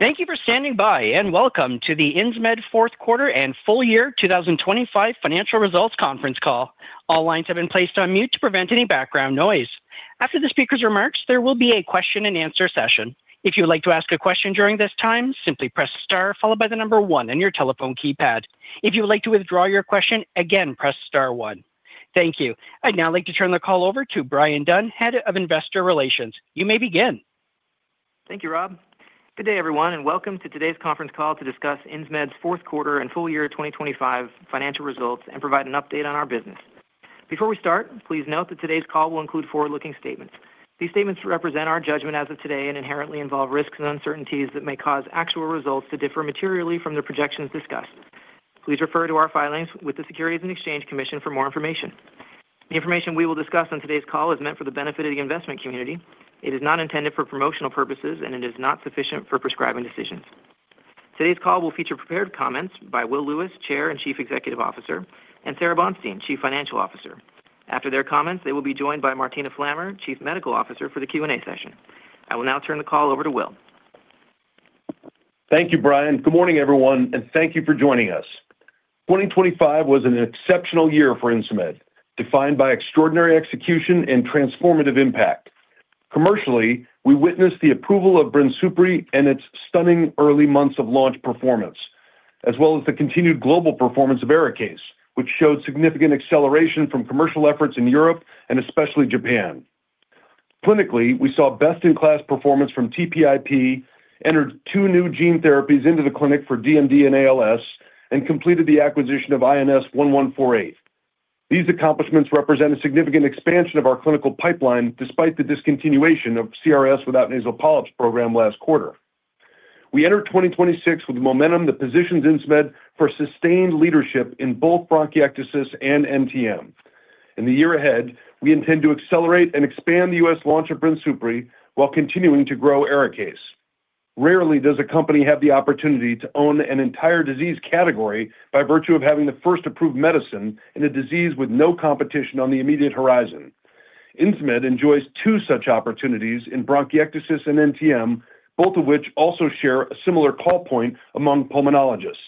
Thank you for standing by, and welcome to the Insmed fourth quarter and full year 2025 financial results conference call. All lines have been placed on mute to prevent any background noise. After the speaker's remarks, there will be a question and answer session. If you would like to ask a question during this time, simply press star followed by the number one on your telephone keypad. If you would like to withdraw your question, again, press star one. Thank you. I'd now like to turn the call over to Bryan Dunn, Head of Investor Relations. You may begin. Thank you, Rob. Good day, everyone, and welcome to today's conference call to discuss Insmed's fourth quarter and full year 2025 financial results and provide an update on our business. Before we start, please note that today's call will include forward-looking statements. These statements represent our judgment as of today and inherently involve risks and uncertainties that may cause actual results to differ materially from the projections discussed. Please refer to our filings with the Securities and Exchange Commission for more information. The information we will discuss on today's call is meant for the benefit of the investment community. It is not intended for promotional purposes, and it is not sufficient for prescribing decisions. Today's call will feature prepared comments by Will Lewis, Chair and Chief Executive Officer, and Sara Bonstein, Chief Financial Officer. After their comments, they will be joined by Martina Flammer, Chief Medical Officer, for the Q&A session. I will now turn the call over to Will. Thank you, Brian. Good morning, everyone, and thank you for joining us. 2025 was an exceptional year for Insmed, defined by extraordinary execution and transformative impact. Commercially, we witnessed the approval of BRINSUPRI and its stunning early months of launch performance, as well as the continued global performance of ARIKAYCE, which showed significant acceleration from commercial efforts in Europe and especially Japan. Clinically, we saw best-in-class performance from TPIP, entered two new gene therapies into the clinic for DMD and ALS, and completed the acquisition of INS1148. These accomplishments represent a significant expansion of our clinical pipeline, despite the discontinuation of CRS without nasal polyps program last quarter. We enter 2026 with momentum that positions Insmed for sustained leadership in both bronchiectasis and NTM. In the year ahead, we intend to accelerate and expand the U.S. launch of BRINSUPRI while continuing to grow ARIKAYCE. Rarely does a company have the opportunity to own an entire disease category by virtue of having the first approved medicine in a disease with no competition on the immediate horizon. Insmed enjoys two such opportunities in bronchiectasis and NTM, both of which also share a similar call point among pulmonologists.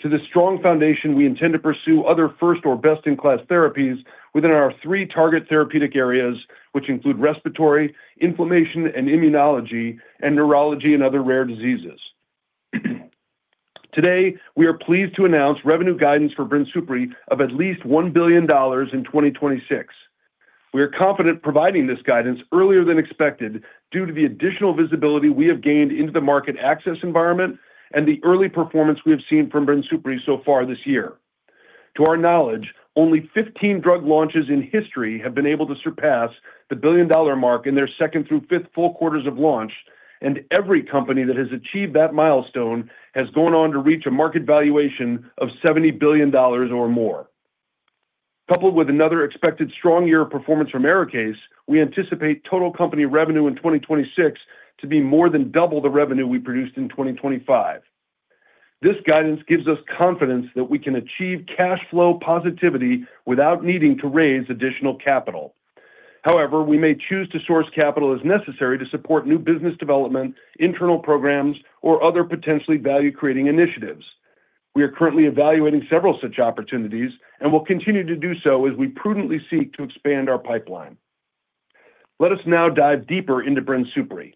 To the strong foundation, we intend to pursue other first or best-in-class therapies within our three target therapeutic areas, which include respiratory, inflammation, and immunology, and neurology and other rare diseases. Today, we are pleased to announce revenue guidance for BRINSUPRI of at least $1 billion in 2026. We are confident providing this guidance earlier than expected due to the additional visibility we have gained into the market access environment and the early performance we have seen from BRINSUPRI so far this year. To our knowledge, only 15 drug launches in history have been able to surpass the billion-dollar mark in their second through fifth full quarters of launch, and every company that has achieved that milestone has gone on to reach a market valuation of $70 billion or more. Coupled with another expected strong year of performance from ARIKAYCE, we anticipate total company revenue in 2026 to be more than double the revenue we produced in 2025. This guidance gives us confidence that we can achieve cash flow positivity without needing to raise additional capital. However, we may choose to source capital as necessary to support new business development, internal programs, or other potentially value-creating initiatives. We are currently evaluating several such opportunities and will continue to do so as we prudently seek to expand our pipeline. Let us now dive deeper into BRINSUPRI.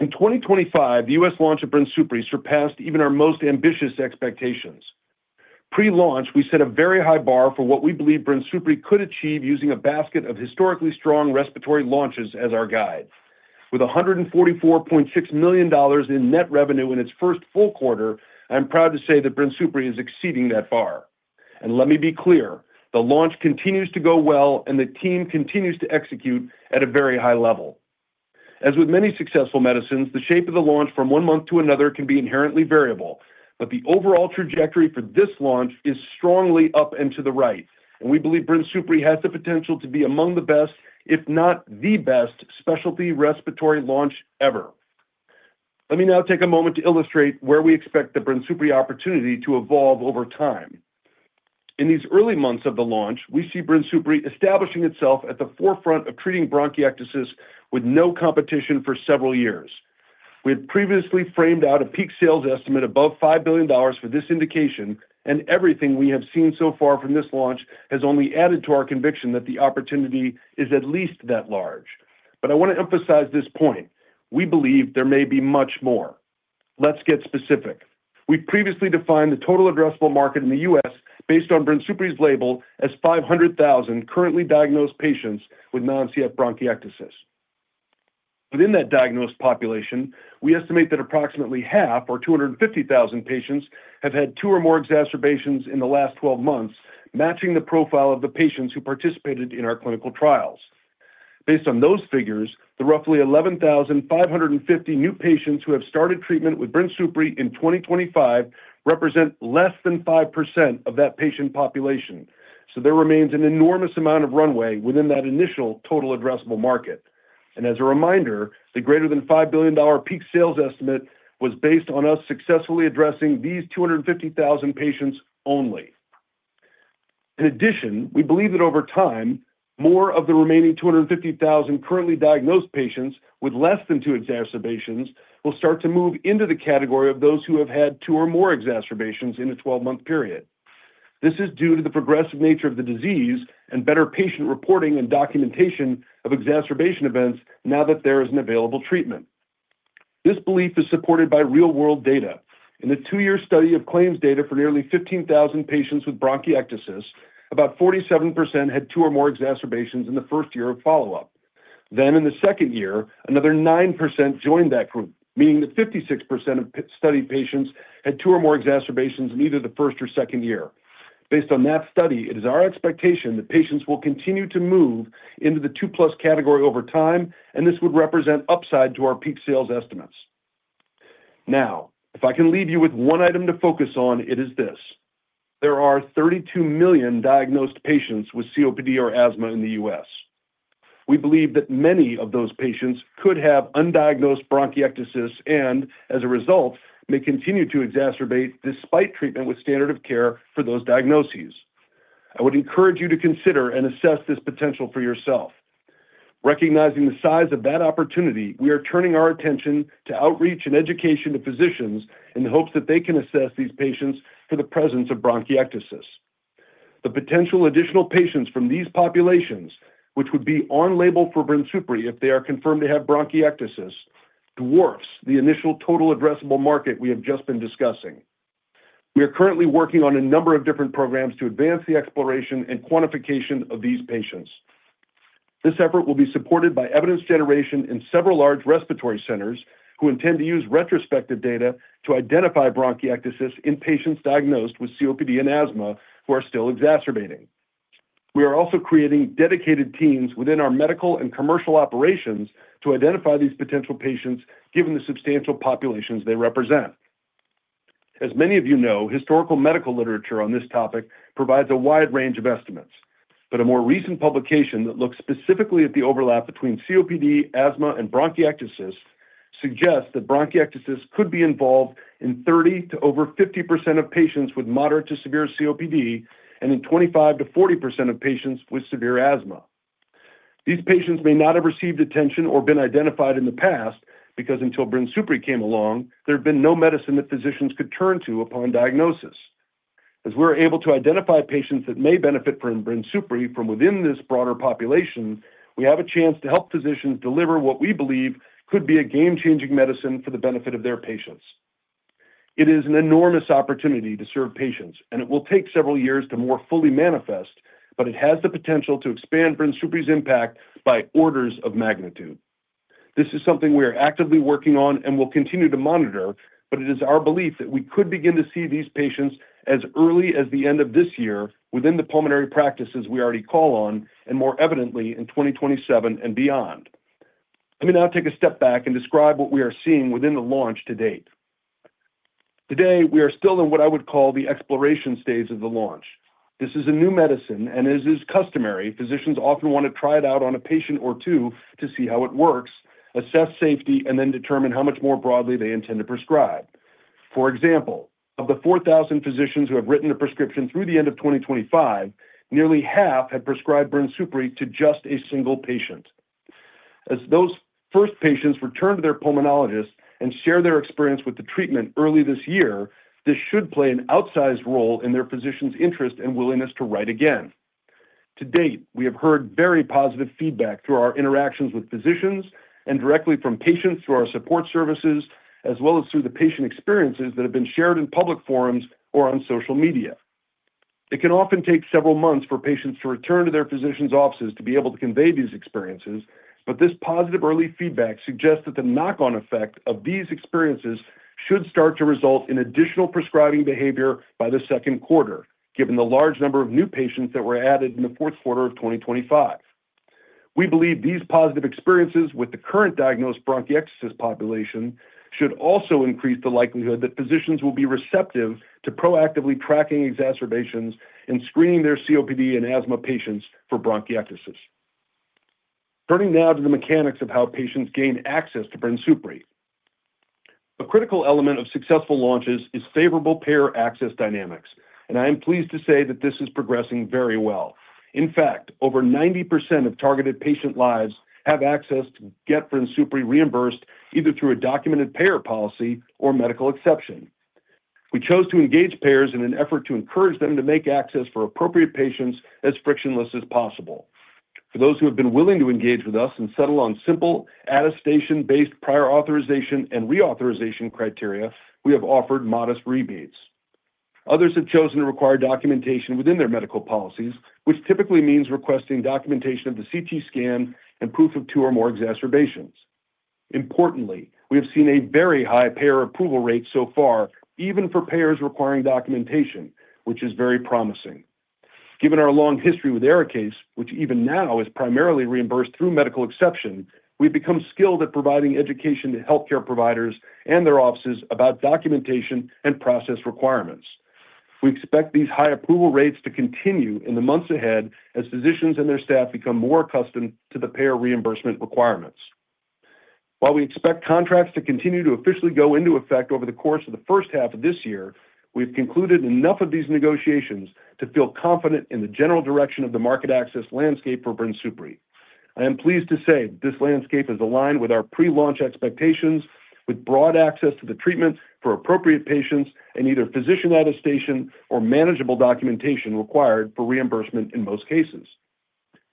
In 2025, the U.S. launch of BRINSUPRI surpassed even our most ambitious expectations. Pre-launch, we set a very high bar for what we believe BRINSUPRI could achieve using a basket of historically strong respiratory launches as our guide. With $144.6 million in net revenue in its first full quarter, I'm proud to say that BRINSUPRI is exceeding that bar. And let me be clear, the launch continues to go well and the team continues to execute at a very high level. As with many successful medicines, the shape of the launch from one month to another can be inherently variable, but the overall trajectory for this launch is strongly up and to the right, and we believe BRINSUPRI has the potential to be among the best, if not the best, specialty respiratory launch ever. Let me now take a moment to illustrate where we expect the BRINSUPRI opportunity to evolve over time. In these early months of the launch, we see BRINSUPRI establishing itself at the forefront of treating bronchiectasis with no competition for several years. We had previously framed out a peak sales estimate above $5 billion for this indication, and everything we have seen so far from this launch has only added to our conviction that the opportunity is at least that large. But I want to emphasize this point: We believe there may be much more. Let's get specific. We previously defined the total addressable market in the US based on BRINSUPRI's label as 500,000 currently diagnosed patients with non-CF bronchiectasis. Within that diagnosed population, we estimate that approximately half or 250,000 patients have had two or more exacerbations in the last 12 months, matching the profile of the patients who participated in our clinical trials. Based on those figures, the roughly 11,550 new patients who have started treatment with BRINSUPRI in 2025 represent less than 5% of that patient population. So there remains an enormous amount of runway within that initial total addressable market. And as a reminder, the greater than $5 billion peak sales estimate was based on us successfully addressing these 250,000 patients only. In addition, we believe that over time, more of the remaining 250,000 currently diagnosed patients with less than two exacerbations will start to move into the category of those who have had two or more exacerbations in a 12-month period. This is due to the progressive nature of the disease and better patient reporting and documentation of exacerbation events now that there is an available treatment. This belief is supported by real-world data. In the two-year study of claims data for nearly 15,000 patients with bronchiectasis, about 47% had two or more exacerbations in the first year of follow-up. Then in the second year, another 9% joined that group, meaning that 56% of the study patients had two or more exacerbations in either the first or second year. Based on that study, it is our expectation that patients will continue to move into the two-plus category over time, and this would represent upside to our peak sales estimates. Now, if I can leave you with one item to focus on, it is this: there are 32 million diagnosed patients with COPD or asthma in the U.S. We believe that many of those patients could have undiagnosed bronchiectasis and, as a result, may continue to exacerbate despite treatment with standard of care for those diagnoses. I would encourage you to consider and assess this potential for yourself. Recognizing the size of that opportunity, we are turning our attention to outreach and education of physicians in the hopes that they can assess these patients for the presence of bronchiectasis. The potential additional patients from these populations, which would be on label for BRINSUPRI if they are confirmed to have bronchiectasis, dwarfs the initial total addressable market we have just been discussing. We are currently working on a number of different programs to advance the exploration and quantification of these patients. This effort will be supported by evidence generation in several large respiratory centers, who intend to use retrospective data to identify bronchiectasis in patients diagnosed with COPD and asthma who are still exacerbating. We are also creating dedicated teams within our medical and commercial operations to identify these potential patients, given the substantial populations they represent. As many of you know, historical medical literature on this topic provides a wide range of estimates, but a more recent publication that looks specifically at the overlap between COPD, asthma, and bronchiectasis suggests that bronchiectasis could be involved in 30% to over 50% of patients with moderate to severe COPD and in 25%-40% of patients with severe asthma. These patients may not have received attention or been identified in the past because until BRINSUPRI came along, there had been no medicine that physicians could turn to upon diagnosis. As we're able to identify patients that may benefit from BRINSUPRI from within this broader population, we have a chance to help physicians deliver what we believe could be a game-changing medicine for the benefit of their patients. It is an enormous opportunity to serve patients, and it will take several years to more fully manifest, but it has the potential to expand BRINSUPRI's impact by orders of magnitude. This is something we are actively working on and will continue to monitor, but it is our belief that we could begin to see these patients as early as the end of this year within the pulmonary practices we already call on, and more evidently in 2027 and beyond. Let me now take a step back and describe what we are seeing within the launch to date. Today, we are still in what I would call the exploration stage of the launch. This is a new medicine, and as is customary, physicians often want to try it out on a patient or two to see how it works, assess safety, and then determine how much more broadly they intend to prescribe. For example, of the 4,000 physicians who have written a prescription through the end of 2025, nearly half have prescribed BRINSUPRI to just a single patient. As those first patients return to their pulmonologist and share their experience with the treatment early this year, this should play an outsized role in their physician's interest and willingness to write again. To date, we have heard very positive feedback through our interactions with physicians and directly from patients through our support services, as well as through the patient experiences that have been shared in public forums or on social media. It can often take several months for patients to return to their physicians' offices to be able to convey these experiences, but this positive early feedback suggests that the knock-on effect of these experiences should start to result in additional prescribing behavior by the second quarter, given the large number of new patients that were added in the fourth quarter of 2025. We believe these positive experiences with the current diagnosed bronchiectasis population should also increase the likelihood that physicians will be receptive to proactively tracking exacerbations and screening their COPD and asthma patients for bronchiectasis. Turning now to the mechanics of how patients gain access to BRINSUPRI. A critical element of successful launches is favorable payer access dynamics, and I am pleased to say that this is progressing very well. In fact, over 90% of targeted patient lives have access to get BRINSUPRI reimbursed, either through a documented payer policy or medical exception. We chose to engage payers in an effort to encourage them to make access for appropriate patients as frictionless as possible. For those who have been willing to engage with us and settle on simple, attestation-based prior authorization and reauthorization criteria, we have offered modest rebates. Others have chosen to require documentation within their medical policies, which typically means requesting documentation of the CT scan and proof of two or more exacerbations. Importantly, we have seen a very high payer approval rate so far, even for payers requiring documentation, which is very promising. Given our long history with ARIKAYCE, which even now is primarily reimbursed through medical exception, we've become skilled at providing education to healthcare providers and their offices about documentation and process requirements. We expect these high approval rates to continue in the months ahead as physicians and their staff become more accustomed to the payer reimbursement requirements. While we expect contracts to continue to officially go into effect over the course of the first half of this year, we've concluded enough of these negotiations to feel confident in the general direction of the market access landscape for BRINSUPRI. I am pleased to say this landscape is aligned with our pre-launch expectations, with broad access to the treatment for appropriate patients, and either physician attestation or manageable documentation required for reimbursement in most cases.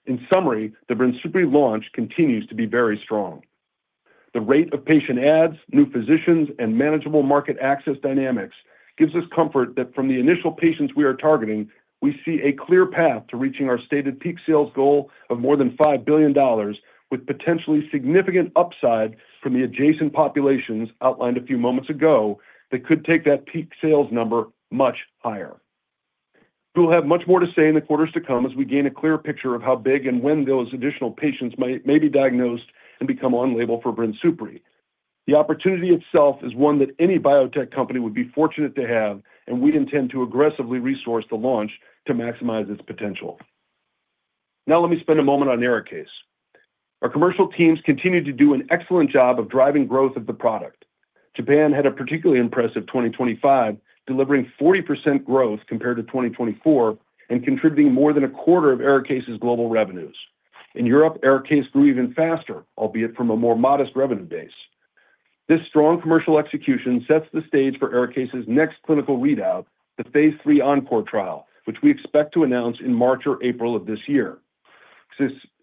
In summary, the BRINSUPRI launch continues to be very strong. The rate of patient adds, new physicians, and manageable market access dynamics gives us comfort that from the initial patients we are targeting, we see a clear path to reaching our stated peak sales goal of more than $5 billion, with potentially significant upside from the adjacent populations outlined a few moments ago, that could take that peak sales number much higher. We'll have much more to say in the quarters to come as we gain a clearer picture of how big and when those additional patients may be diagnosed and become on-label for BRINSUPRI. The opportunity itself is one that any biotech company would be fortunate to have, and we intend to aggressively resource the launch to maximize its potential. Now, let me spend a moment on ARIKAYCE. Our commercial teams continued to do an excellent job of driving growth of the product. Japan had a particularly impressive 2025, delivering 40% growth compared to 2024 and contributing more than a quarter of ARIKAYCE's global revenues. In Europe, ARIKAYCE grew even faster, albeit from a more modest revenue base. This strong commercial execution sets the stage for ARIKAYCE's next clinical readout, the phase III ENCORE trial, which we expect to announce in March or April of this year.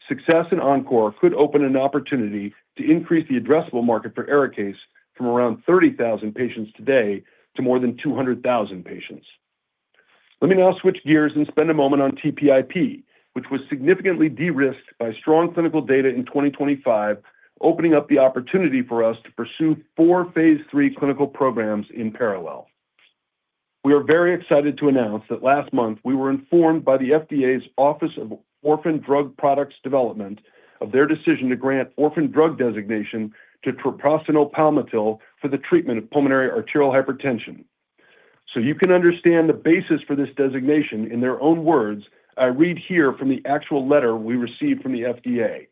Success in ENCORE could open an opportunity to increase the addressable market for ARIKAYCE from around 30,000 patients today to more than 200,000 patients. Let me now switch gears and spend a moment on TPIP, which was significantly de-risked by strong clinical data in 2025, opening up the opportunity for us to pursue four phase III clinical programs in parallel. We are very excited to announce that last month we were informed by the FDA's Office of Orphan Drug Products Development of their decision to grant orphan drug designation to treprostinil palmitate for the treatment of pulmonary arterial hypertension. So you can understand the basis for this designation in their own words, I read here from the actual letter we received from the FDA.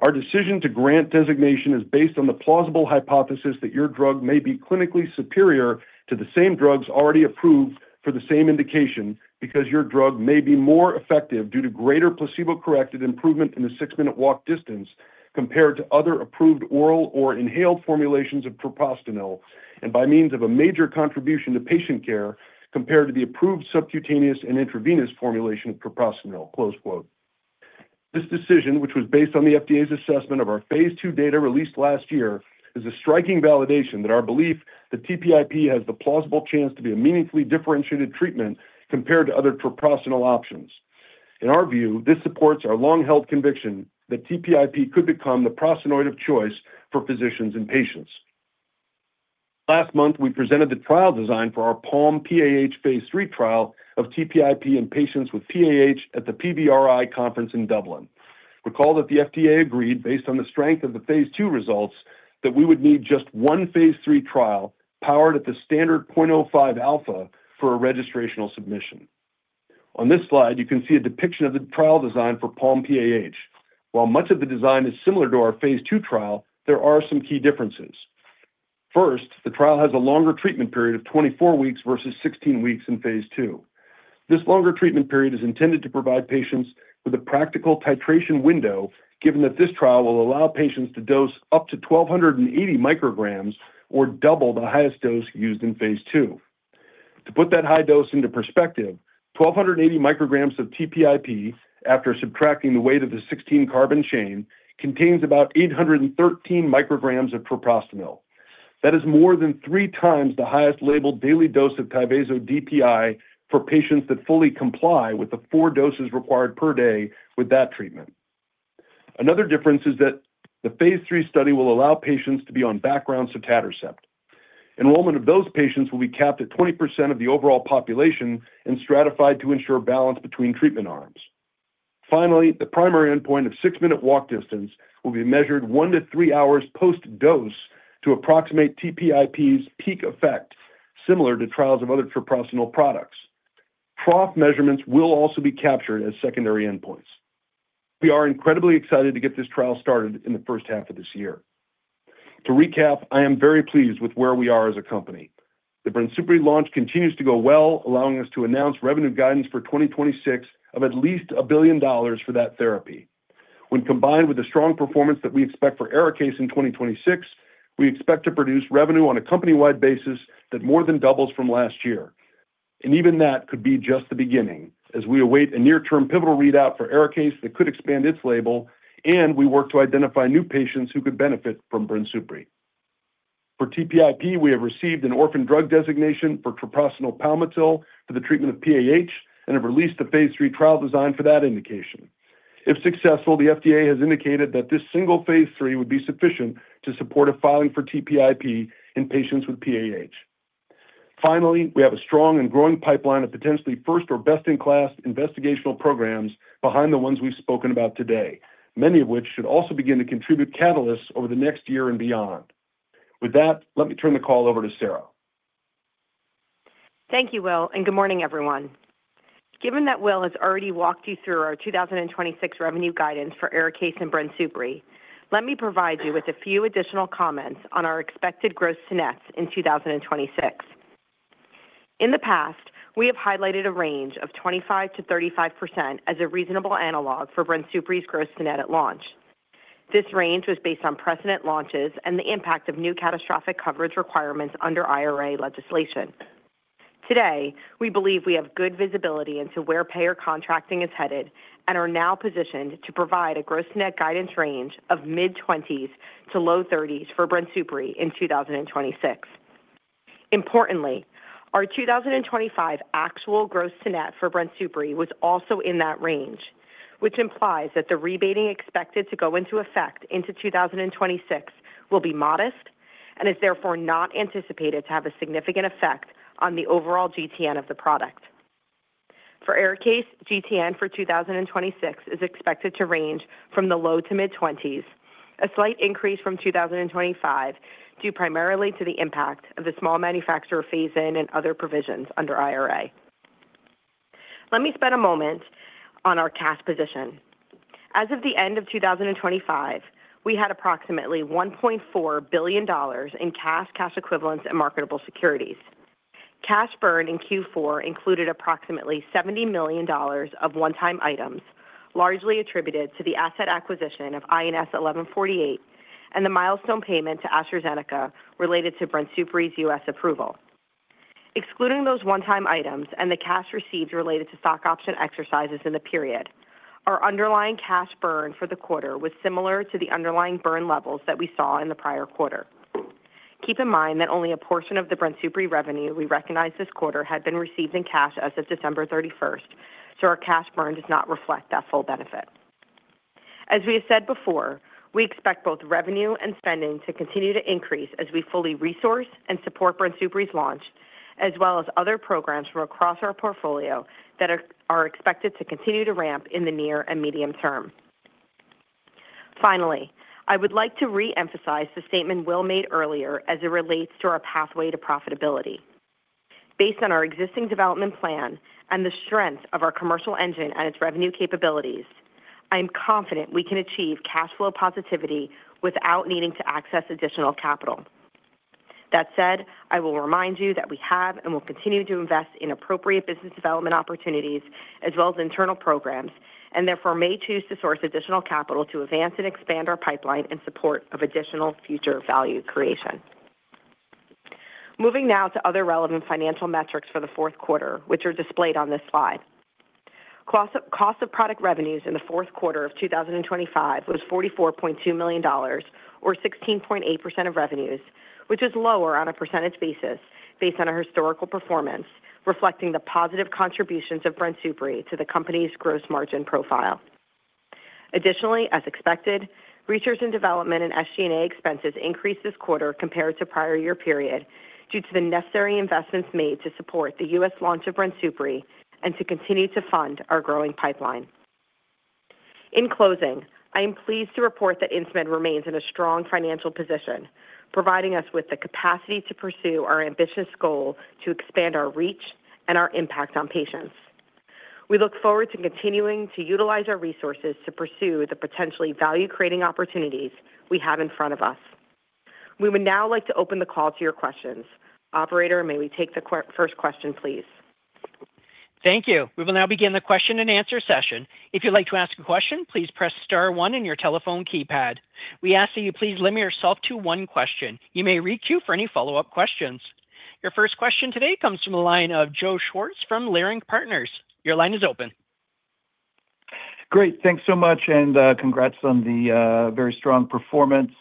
"Our decision to grant designation is based on the plausible hypothesis that your drug may be clinically superior to the same drugs already approved for the same indication, because your drug may be more effective due to greater placebo-corrected improvement in the six-minute walk distance compared to other approved oral or inhaled formulations of treprostinil, and by means of a major contribution to patient care compared to the approved subcutaneous and intravenous formulation of treprostinil." This decision, which was based on the FDA's assessment of our phase II data released last year, is a striking validation that our belief that TPIP has the plausible chance to be a meaningfully differentiated treatment compared to other treprostinil options. In our view, this supports our long-held conviction that TPIP could become the prostanoid of choice for physicians and patients. Last month, we presented the trial design for our PALM-PAH phase III trial of TPIP in patients with PAH at the PVRI conference in Dublin. Recall that the FDA agreed, based on the strength of the phase II results, that we would need just one phase III trial powered at the standard 0.05 alpha for a registrational submission. On this slide, you can see a depiction of the trial design for PALM-PAH. While much of the design is similar to our phase II trial, there are some key differences. First, the trial has a longer treatment period of 24 weeks versus 16 weeks in phase II. This longer treatment period is intended to provide patients with a practical titration window, given that this trial will allow patients to dose up to 1,280 mcg or double the highest dose used in phase II. To put that high dose into perspective, 1,280 mcg of TPIP, after subtracting the weight of the 16 carbon chain, contains about 813 mcg of treprostinil. That is more than three times the highest labeled daily dose of Tyvaso DPI for patients that fully comply with the four doses required per day with that treatment. Another difference is that the phase III study will allow patients to be on background sotatercept. Enrollment of those patients will be capped at 20% of the overall population and stratified to ensure balance between treatment arms. Finally, the primary endpoint of six-minute walk distance will be measured one to three hours post-dose to approximate TPIP's peak effect, similar to trials of other treprostinil products. PRO measurements will also be captured as secondary endpoints. We are incredibly excited to get this trial started in the first half of this year. To recap, I am very pleased with where we are as a company. The BRINSUPRI launch continues to go well, allowing us to announce revenue guidance for 2026 of at least $1 billion for that therapy. When combined with the strong performance that we expect for ARIKAYCE in 2026, we expect to produce revenue on a company-wide basis that more than doubles from last year. Even that could be just the beginning as we await a near-term pivotal readout for ARIKAYCE that could expand its label, and we work to identify new patients who could benefit from BRINSUPRI. For TPIP, we have received an orphan drug designation for treprostinil palmitate for the treatment of PAH and have released the phase III trial design for that indication. If successful, the FDA has indicated that this single phase III would be sufficient to support a filing for TPIP in patients with PAH. Finally, we have a strong and growing pipeline of potentially first or best-in-class investigational programs behind the ones we've spoken about today, many of which should also begin to contribute catalysts over the next year and beyond. With that, let me turn the call over to Sara. Thank you, Will, and good morning, everyone. Given that Will has already walked you through our 2026 revenue guidance for ARIKAYCE and BRINSUPRI, let me provide you with a few additional comments on our expected gross to net in 2026. In the past, we have highlighted a range of 25%-35% as a reasonable analog for BRINSUPRI's gross to net at launch. This range was based on precedent launches and the impact of new catastrophic coverage requirements under IRA legislation. Today, we believe we have good visibility into where payer contracting is headed and are now positioned to provide a gross net guidance range of mid-20s to low 30s for BRINSUPRI in 2026. Importantly, our 2025 actual gross-to-net for BRINSUPRI was also in that range, which implies that the rebating expected to go into effect into 2026 will be modest and is therefore not anticipated to have a significant effect on the overall GTN of the product. For ARIKAYCE, GTN for 2026 is expected to range from the low to mid-20s, a slight increase from 2025, due primarily to the impact of the small manufacturer phase-in and other provisions under IRA. Let me spend a moment on our cash position. As of the end of 2025, we had approximately $1.4 billion in cash, cash equivalents, and marketable securities. Cash burn in Q4 included approximately $70 million of one-time items, largely attributed to the asset acquisition of INS1148 and the milestone payment to AstraZeneca related to BRINSUPRI's US approval. Excluding those one-time items and the cash received related to stock option exercises in the period, our underlying cash burn for the quarter was similar to the underlying burn levels that we saw in the prior quarter. Keep in mind that only a portion of the BRINSUPRI revenue we recognized this quarter had been received in cash as of December 31st, so our cash burn does not reflect that full benefit. As we have said before, we expect both revenue and spending to continue to increase as we fully resource and support BRINSUPRI's launch, as well as other programs from across our portfolio that are expected to continue to ramp in the near and medium term. Finally, I would like to re-emphasize the statement Will made earlier as it relates to our pathway to profitability. Based on our existing development plan and the strength of our commercial engine and its revenue capabilities, I am confident we can achieve cash flow positivity without needing to access additional capital. That said, I will remind you that we have and will continue to invest in appropriate business development opportunities as well as internal programs, and therefore may choose to source additional capital to advance and expand our pipeline in support of additional future value creation. Moving now to other relevant financial metrics for the fourth quarter, which are displayed on this slide. Cost of product revenues in the fourth quarter of 2025 was $44.2 million or 16.8% of revenues, which is lower on a percentage basis based on our historical performance, reflecting the positive contributions of BRINSUPRI to the company's gross margin profile. Additionally, as expected, research and development and SG&A expenses increased this quarter compared to prior year period due to the necessary investments made to support the U.S. launch of BRINSUPRI and to continue to fund our growing pipeline. In closing, I am pleased to report that Insmed remains in a strong financial position, providing us with the capacity to pursue our ambitious goal to expand our reach and our impact on patients. We look forward to continuing to utilize our resources to pursue the potentially value-creating opportunities we have in front of us. We would now like to open the call to your questions. Operator, may we take the first question, please? Thank you. We will now begin the question and answer session. If you'd like to ask a question, please press star one on your telephone keypad. We ask that you please limit yourself to one question. You may queue for any follow-up questions. Your first question today comes from the line of Joe Schwartz from Leerink Partners. Your line is open. Great. Thanks so much, and congrats on the very strong performance.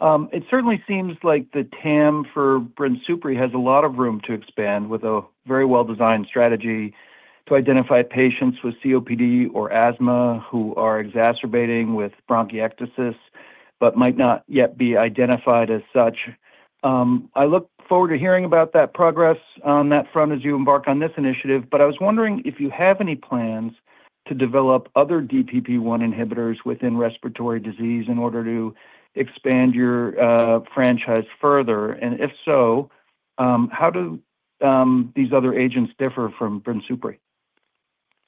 It certainly seems like the TAM for BRINSUPRI has a lot of room to expand with a very well-designed strategy to identify patients with COPD or asthma who are exacerbating with bronchiectasis, but might not yet be identified as such. I look forward to hearing about that progress on that front as you embark on this initiative. But I was wondering if you have any plans to develop other DPP1 inhibitors within respiratory disease in order to expand your franchise further, and if so, how do these other agents differ from BRINSUPRI?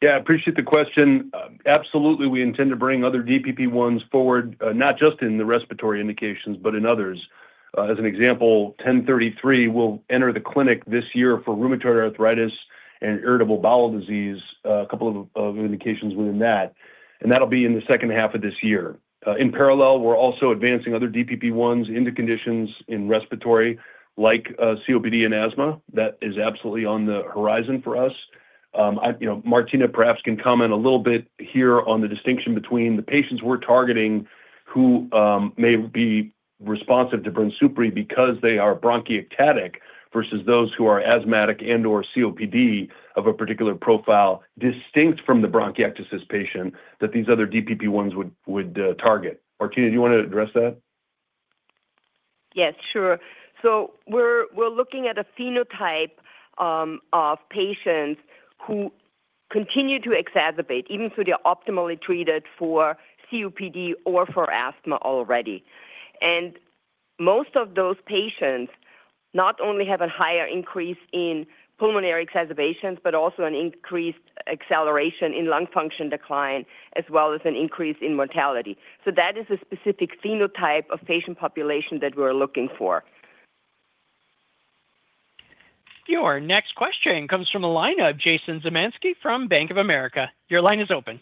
Yeah, I appreciate the question. Absolutely, we intend to bring other DPP1s forward, not just in the respiratory indications, but in others. As an example, INS1033 will enter the clinic this year for rheumatoid arthritis and inflammatory bowel disease, a couple of indications within that, and that'll be in the second half of this year. In parallel, we're also advancing other DPP1s into conditions in respiratory like COPD and asthma. That is absolutely on the horizon for us. You know, Martina perhaps can comment a little bit here on the distinction between the patients we're targeting who may be responsive to BRINSUPRI because they are bronchiectasis versus those who are asthmatic and/or COPD of a particular profile distinct from the bronchiectasis patient that these other DPP1s would target. Martina, do you want to address that? Yes, sure. So we're looking at a phenotype of patients who continue to exacerbate, even though they are optimally treated for COPD or for asthma already. And most of those patients not only have a higher increase in pulmonary exacerbations, but also an increased acceleration in lung function decline, as well as an increase in mortality. So that is a specific phenotype of patient population that we're looking for. Your next question comes from the line of Jason Zemansky from Bank of America. Your line is open.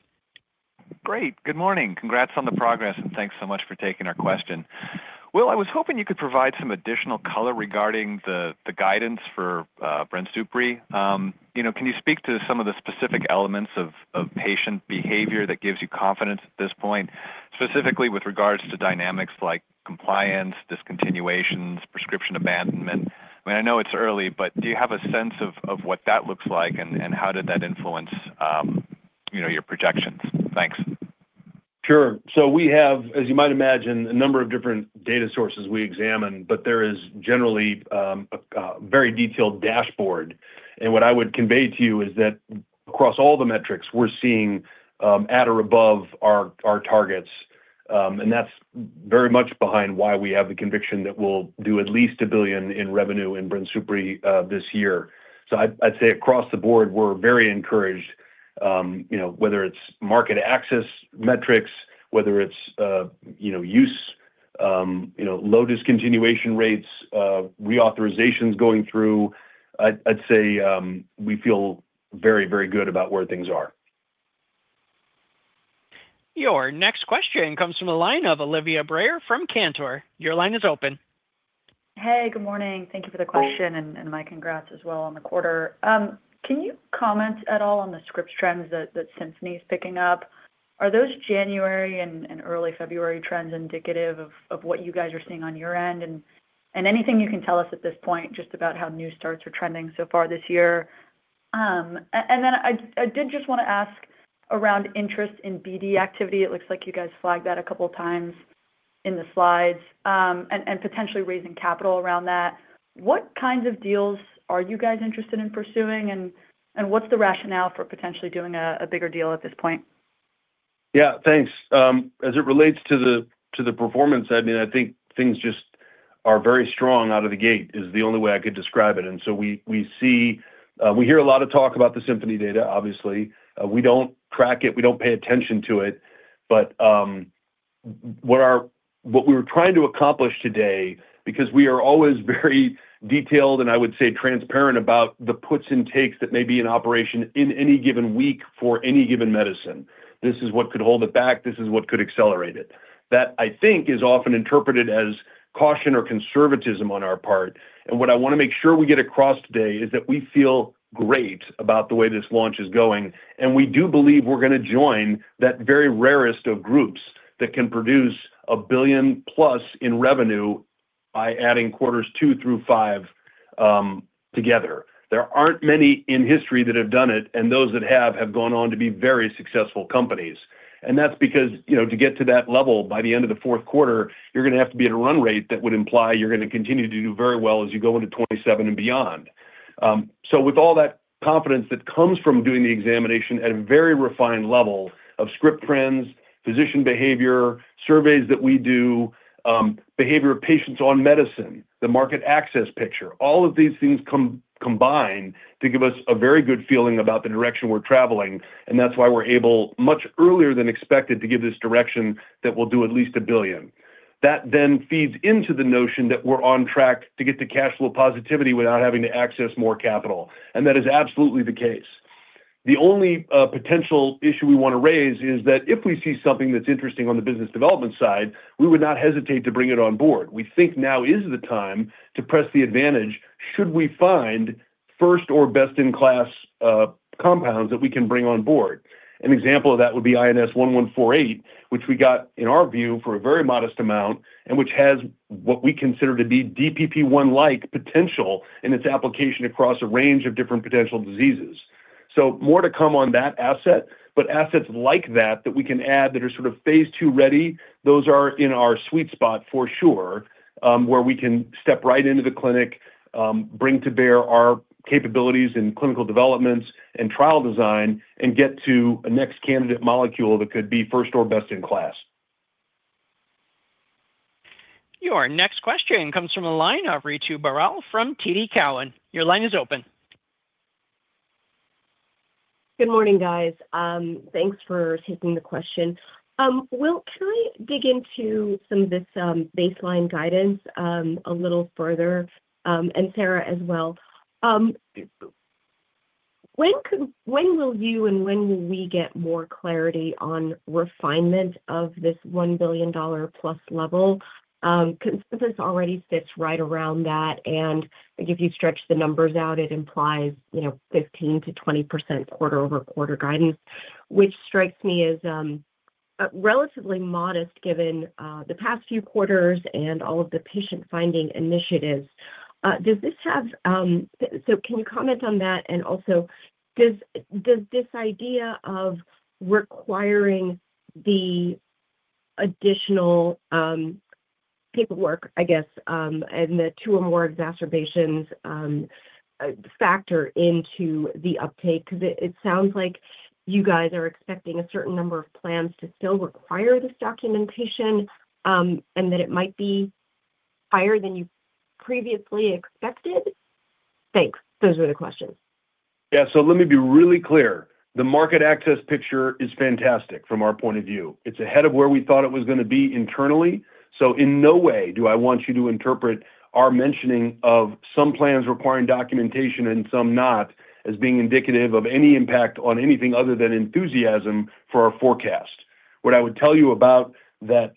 Great, good morning. Congrats on the progress, and thanks so much for taking our question. Well, I was hoping you could provide some additional color regarding the guidance for BRINSUPRI. You know, can you speak to some of the specific elements of patient behavior that gives you confidence at this point, specifically with regards to dynamics like compliance, discontinuations, prescription abandonment? I mean, I know it's early, but do you have a sense of what that looks like, and how did that influence you know, your projections? Thanks. Sure. So we have, as you might imagine, a number of different data sources we examine, but there is generally a very detailed dashboard. And what I would convey to you is that across all the metrics, we're seeing at or above our targets. And that's very much behind why we have the conviction that we'll do at least $1 billion in revenue in BRINSUPRI this year. So I'd say across the board, we're very encouraged, you know, whether it's market access metrics, whether it's you know use you know low discontinuation rates, reauthorizations going through. I'd say we feel very, very good about where things are. Your next question comes from a line of Olivia Brayer from Cantor. Your line is open. Hey, good morning. Thank you for the question and my congrats as well on the quarter. Can you comment at all on the scrip trends that Symphony is picking up? Are those January and early February trends indicative of what you guys are seeing on your end? And anything you can tell us at this point, just about how new starts are trending so far this year. And then I did just want to ask around interest in BD activity. It looks like you guys flagged that a couple of times in the slides and potentially raising capital around that. What kinds of deals are you guys interested in pursuing? And what's the rationale for potentially doing a bigger deal at this point? Yeah, thanks. As it relates to the performance, I mean, I think things just are very strong out of the gate, is the only way I could describe it. And so we see, we hear a lot of talk about the Symphony data, obviously. We don't track it, we don't pay attention to it. But what we were trying to accomplish today, because we are always very detailed and I would say transparent about the puts and takes that may be in operation in any given week for any given medicine. This is what could hold it back, this is what could accelerate it. That, I think, is often interpreted as caution or conservatism on our part. And what I want to make sure we get across today is that we feel great about the way this launch is going, and we do believe we're going to join that very rarest of groups that can produce $1+ billion in revenue by adding quarters two through five together. There aren't many in history that have done it, and those that have, have gone on to be very successful companies. And that's because, you know, to get to that level, by the end of the fourth quarter, you're going to have to be at a run rate that would imply you're going to continue to do very well as you go into 2027 and beyond. So with all that confidence that comes from doing the examination at a very refined level of script trends, physician behavior, surveys that we do, behavior of patients on medicine, the market access picture, all of these things combine to give us a very good feeling about the direction we're traveling, and that's why we're able, much earlier than expected, to give this direction that we'll do at least $1 billion. That then feeds into the notion that we're on track to get to cash flow positivity without having to access more capital, and that is absolutely the case. The only potential issue we want to raise is that if we see something that's interesting on the business development side, we would not hesitate to bring it on board. We think now is the time to press the advantage, should we find first or best-in-class compounds that we can bring on board. An example of that would be INS1148, which we got, in our view, for a very modest amount and which has what we consider to be DPP1-like potential in its application across a range of different potential diseases. So more to come on that asset, but assets like that, that we can add that are sort of phase II ready, those are in our sweet spot for sure, where we can step right into the clinic, bring to bear our capabilities in clinical developments and trial design, and get to a next candidate molecule that could be first or best in class. Your next question comes from a line of Ritu Baral from TD Cowen. Your line is open. Good morning, guys. Thanks for taking the question. Will, can I dig into some of this baseline guidance a little further, and Sara as well? When will you and when will we get more clarity on refinement of this $1+ billion level? Because this already sits right around that, and if you stretch the numbers out, it implies, you know, 15%-20% quarter-over-quarter guidance, which strikes me as a relatively modest given the past few quarters and all of the patient-finding initiatives. Does this have... So can you comment on that? And also, does this idea of requiring the additional paperwork, I guess, and the two or more exacerbations factor into the uptake? Because it sounds like you guys are expecting a certain number of plans to still require this documentation, and that it might be higher than you previously expected? Thanks. Those were the questions. Yeah, so let me be really clear. The market access picture is fantastic from our point of view. It's ahead of where we thought it was going to be internally. So in no way do I want you to interpret our mentioning of some plans requiring documentation and some not as being indicative of any impact on anything other than enthusiasm for our forecast. What I would tell you about that,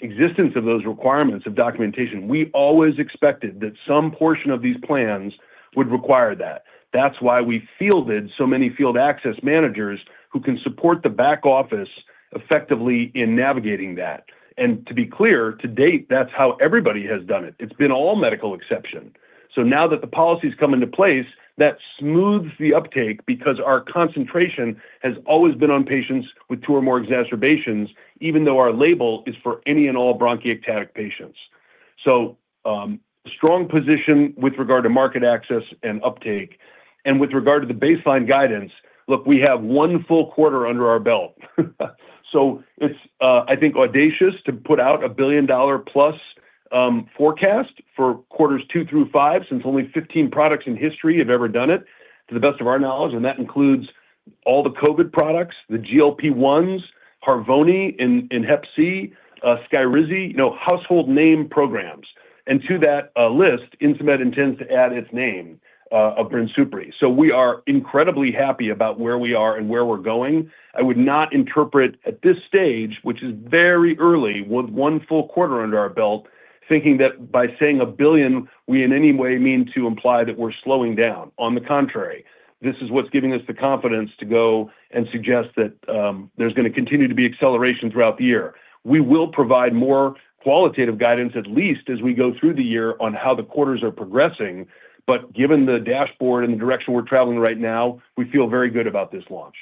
existence of those requirements of documentation, we always expected that some portion of these plans would require that. That's why we fielded so many field access managers who can support the back office effectively in navigating that. And to be clear, to date, that's how everybody has done it. It's been all medical exception. So now that the policy's come into place, that smooths the uptake because our concentration has always been on patients with two or more exacerbations, even though our label is for any and all bronchiectasis patients. So, strong position with regard to market access and uptake. And with regard to the baseline guidance, look, we have one full quarter under our belt. So it's, I think, audacious to put out a $1 billion-plus forecast for quarters two through five, since only 15 products in history have ever done it, to the best of our knowledge, and that includes all the COVID products, the GLP-1s, Harvoni in Hep C, Skyrizi, you know, household name programs. And to that list, Insmed intends to add its name of BRINSUPRI. So we are incredibly happy about where we are and where we're going. I would not interpret at this stage, which is very early, with one full quarter under our belt, thinking that by saying $1 billion, we in any way mean to imply that we're slowing down. On the contrary, this is what's giving us the confidence to go and suggest that there's going to continue to be acceleration throughout the year. We will provide more qualitative guidance, at least as we go through the year, on how the quarters are progressing. But given the dashboard and the direction we're traveling right now, we feel very good about this launch.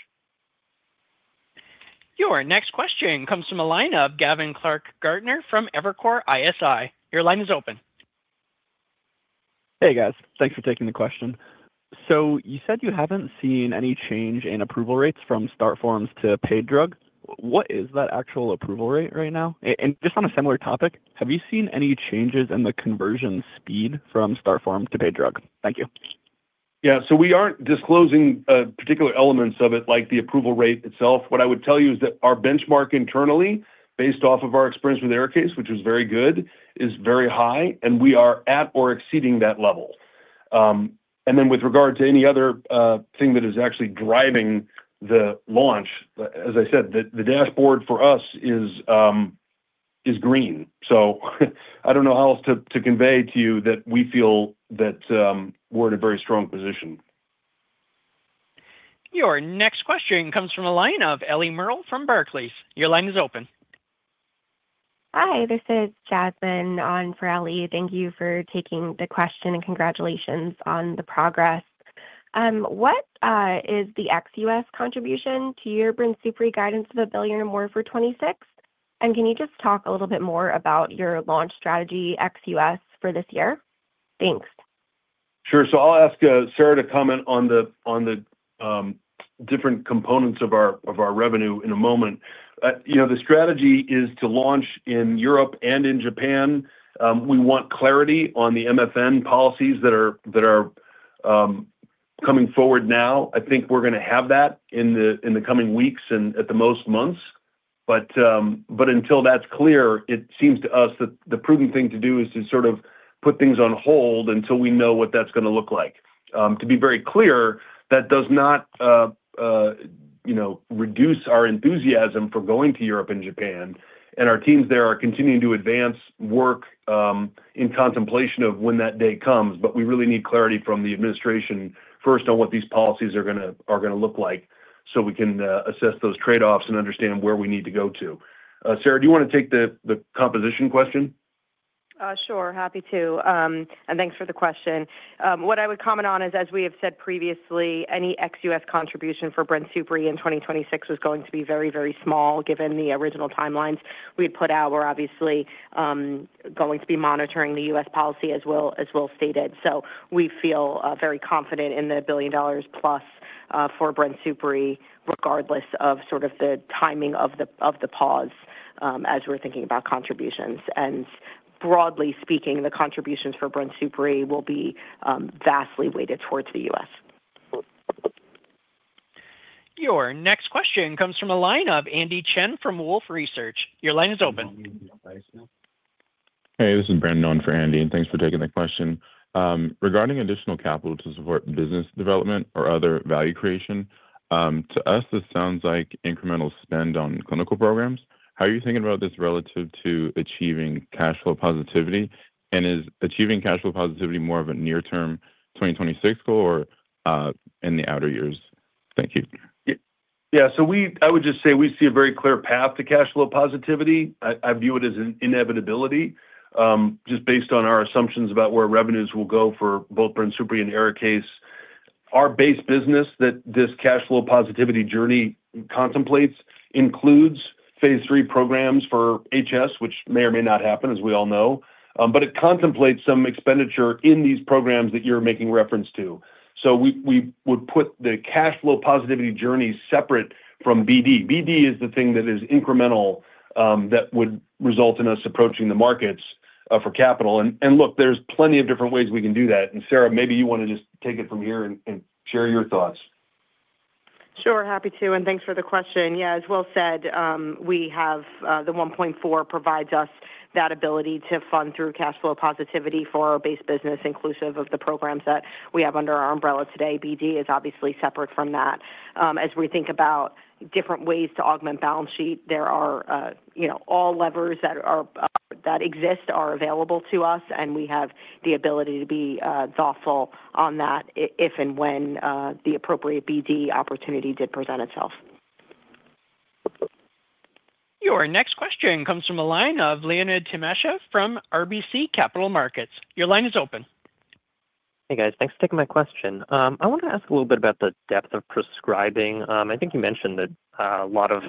Your next question comes from a line of Gavin Clark-Gartner from Evercore ISI. Your line is open. Hey, guys. Thanks for taking the question. You said you haven't seen any change in approval rates from start forms to paid drug. What is that actual approval rate right now? And just on a similar topic, have you seen any changes in the conversion speed from start form to paid drug? Thank you. Yeah. So we aren't disclosing particular elements of it, like the approval rate itself. What I would tell you is that our benchmark internally, based off of our experience with ARIKAYCE, which is very good, is very high, and we are at or exceeding that level. And then with regard to any other thing that is actually driving the launch, as I said, the dashboard for us is green. So I don't know how else to convey to you that we feel that we're in a very strong position. Your next question comes from a line of Ellie Merle from Barclays. Your line is open. Hi, this is Jasmine on for Ellie. Thank you for taking the question, and congratulations on the progress. What is the ex-U.S. contribution to your BRINSUPRI guidance of $1 billion or more for 2026? And can you just talk a little bit more about your launch strategy, ex-U.S., for this year? Thanks. Sure. So I'll ask Sara to comment on the different components of our revenue in a moment. You know, the strategy is to launch in Europe and in Japan. We want clarity on the MFN policies that are coming forward now. I think we're going to have that in the coming weeks and at the most, months. But until that's clear, it seems to us that the prudent thing to do is to sort of put things on hold until we know what that's going to look like. To be very clear, that does not, you know, reduce our enthusiasm for going to Europe and Japan, and our teams there are continuing to advance work in contemplation of when that day comes. But we really need clarity from the administration first on what these policies are gonna look like, so we can assess those trade-offs and understand where we need to go to. Sara, do you want to take the composition question? Sure. Happy to. And thanks for the question. What I would comment on is, as we have said previously, any ex-U.S. contribution for BRINSUPRI in 2026 is going to be very, very small, given the original timelines we had put out. We're obviously going to be monitoring the U.S. policy, as Will stated. So we feel very confident in the $1+ billion for BRINSUPRI, regardless of sort of the timing of the pause, as we're thinking about contributions. And broadly speaking, the contributions for BRINSUPRI will be vastly weighted towards the U.S. Your next question comes from a line of Andy Chen from Wolfe Research. Your line is open. Hey, this is Brandon, on for Andy, and thanks for taking the question. Regarding additional capital to support business development or other value creation, to us, this sounds like incremental spend on clinical programs. How are you thinking about this relative to achieving cash flow positivity? And is achieving cash flow positivity more of a near-term 2026 goal or, in the outer years? Thank you. Yeah. So we see a very clear path to cash flow positivity. I, I view it as an inevitability, just based on our assumptions about where revenues will go for both BRINSUPRI and ARIKAYCE. Our base business that this cash flow positivity journey contemplates includes phase III programs for HS, which may or may not happen, as we all know, but it contemplates some expenditure in these programs that you're making reference to. So we, we would put the cash flow positivity journey separate from BD. BD is the thing that is incremental, that would result in us approaching the markets for capital. And, and look, there's plenty of different ways we can do that. And, Sara, maybe you want to just take it from here and share your thoughts. Sure, happy to, and thanks for the question. Yeah, as Will said, we have the $1.4 provides us that ability to fund through cash flow positivity for our base business, inclusive of the programs that we have under our umbrella today. BD is obviously separate from that. As we think about different ways to augment balance sheet, there are, you know, all levers that are, that exist are available to us, and we have the ability to be, thoughtful on that if and when, the appropriate BD opportunity did present itself. Your next question comes from the line of Leonid Timasheva from RBC Capital Markets. Your line is open. Hey, guys. Thanks for taking my question. I want to ask a little bit about the depth of prescribing. I think you mentioned that, a lot of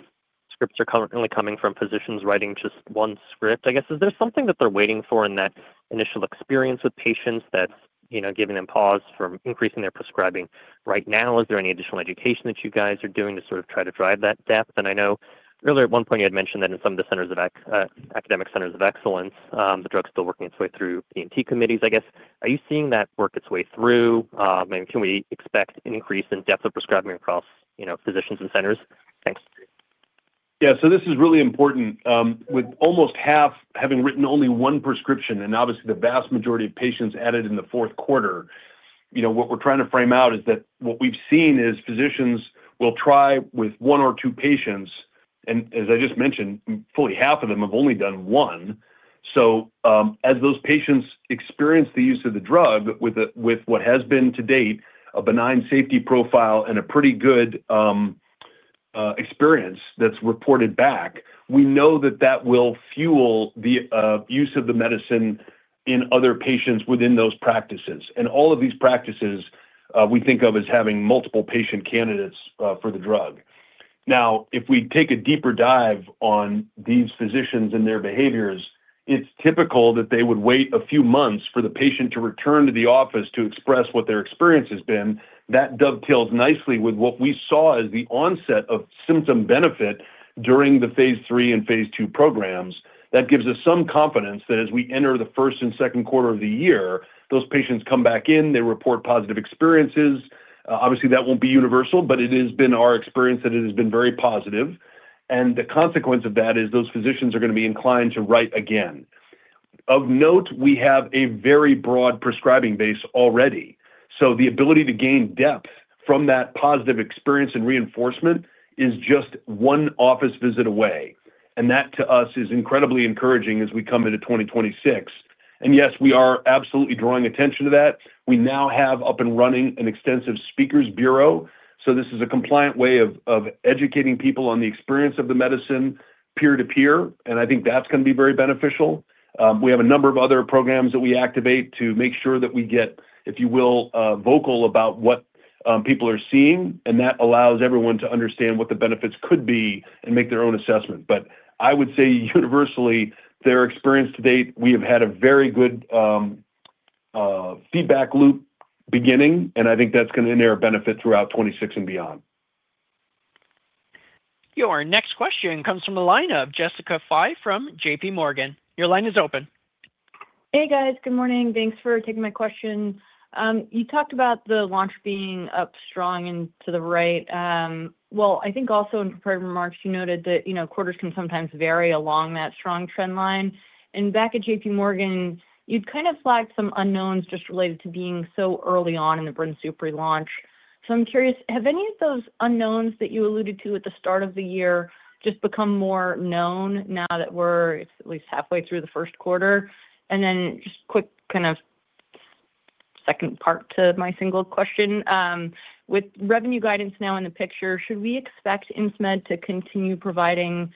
scripts are currently coming from physicians writing just one script, I guess. Is there something that they're waiting for in that initial experience with patients that's, you know, giving them pause from increasing their prescribing right now? Is there any additional education that you guys are doing to sort of try to drive that depth? And I know earlier, at one point, you had mentioned that in some of the centers of excellence, academic centers of excellence, the drug's still working its way through P&T committees, I guess. Are you seeing that work its way through? And can we expect an increase in depth of prescribing across, you know, physicians and centers? Thanks. Yeah, so this is really important. With almost half having written only one prescription, and obviously the vast majority of patients added in the fourth quarter, you know, what we're trying to frame out is that what we've seen is physicians will try with one or two patients, and as I just mentioned, fully half of them have only done one. So, as those patients experience the use of the drug with a- with what has been to date, a benign safety profile and a pretty good experience that's reported back, we know that that will fuel the use of the medicine in other patients within those practices. And all of these practices, we think of as having multiple patient candidates for the drug. Now, if we take a deeper dive on these physicians and their behaviors, it's typical that they would wait a few months for the patient to return to the office to express what their experience has been. That dovetails nicely with what we saw as the onset of symptom benefit during the phase III and phase II programs. That gives us some confidence that as we enter the first and second quarter of the year, those patients come back in, they report positive experiences. Obviously, that won't be universal, but it has been our experience that it has been very positive, and the consequence of that is those physicians are gonna be inclined to write again. Of note, we have a very broad prescribing base already, so the ability to gain depth from that positive experience and reinforcement is just one office visit away, and that, to us, is incredibly encouraging as we come into 2026. Yes, we are absolutely drawing attention to that. We now have up and running an extensive speakers bureau, so this is a compliant way of educating people on the experience of the medicine peer-to-peer, and I think that's gonna be very beneficial. We have a number of other programs that we activate to make sure that we get, if you will, vocal about what people are seeing, and that allows everyone to understand what the benefits could be and make their own assessment. But I would say universally, their experience to date, we have had a very good feedback loop beginning, and I think that's gonna endure a benefit throughout 2026 and beyond. Your next question comes from the line of Jessica Fye from JP Morgan. Your line is open. Hey, guys. Good morning. Thanks for taking my question. You talked about the launch being up strong and to the right. Well, I think also in prepared remarks, you noted that, you know, quarters can sometimes vary along that strong trend line. And back at JPMorgan, you'd kind of flagged some unknowns just related to being so early on in the BRINSUPRI launch. So I'm curious, have any of those unknowns that you alluded to at the start of the year just become more known now that we're at least halfway through the first quarter? And then just quick, kind of, second part to my single question. With revenue guidance now in the picture, should we expect Insmed to continue providing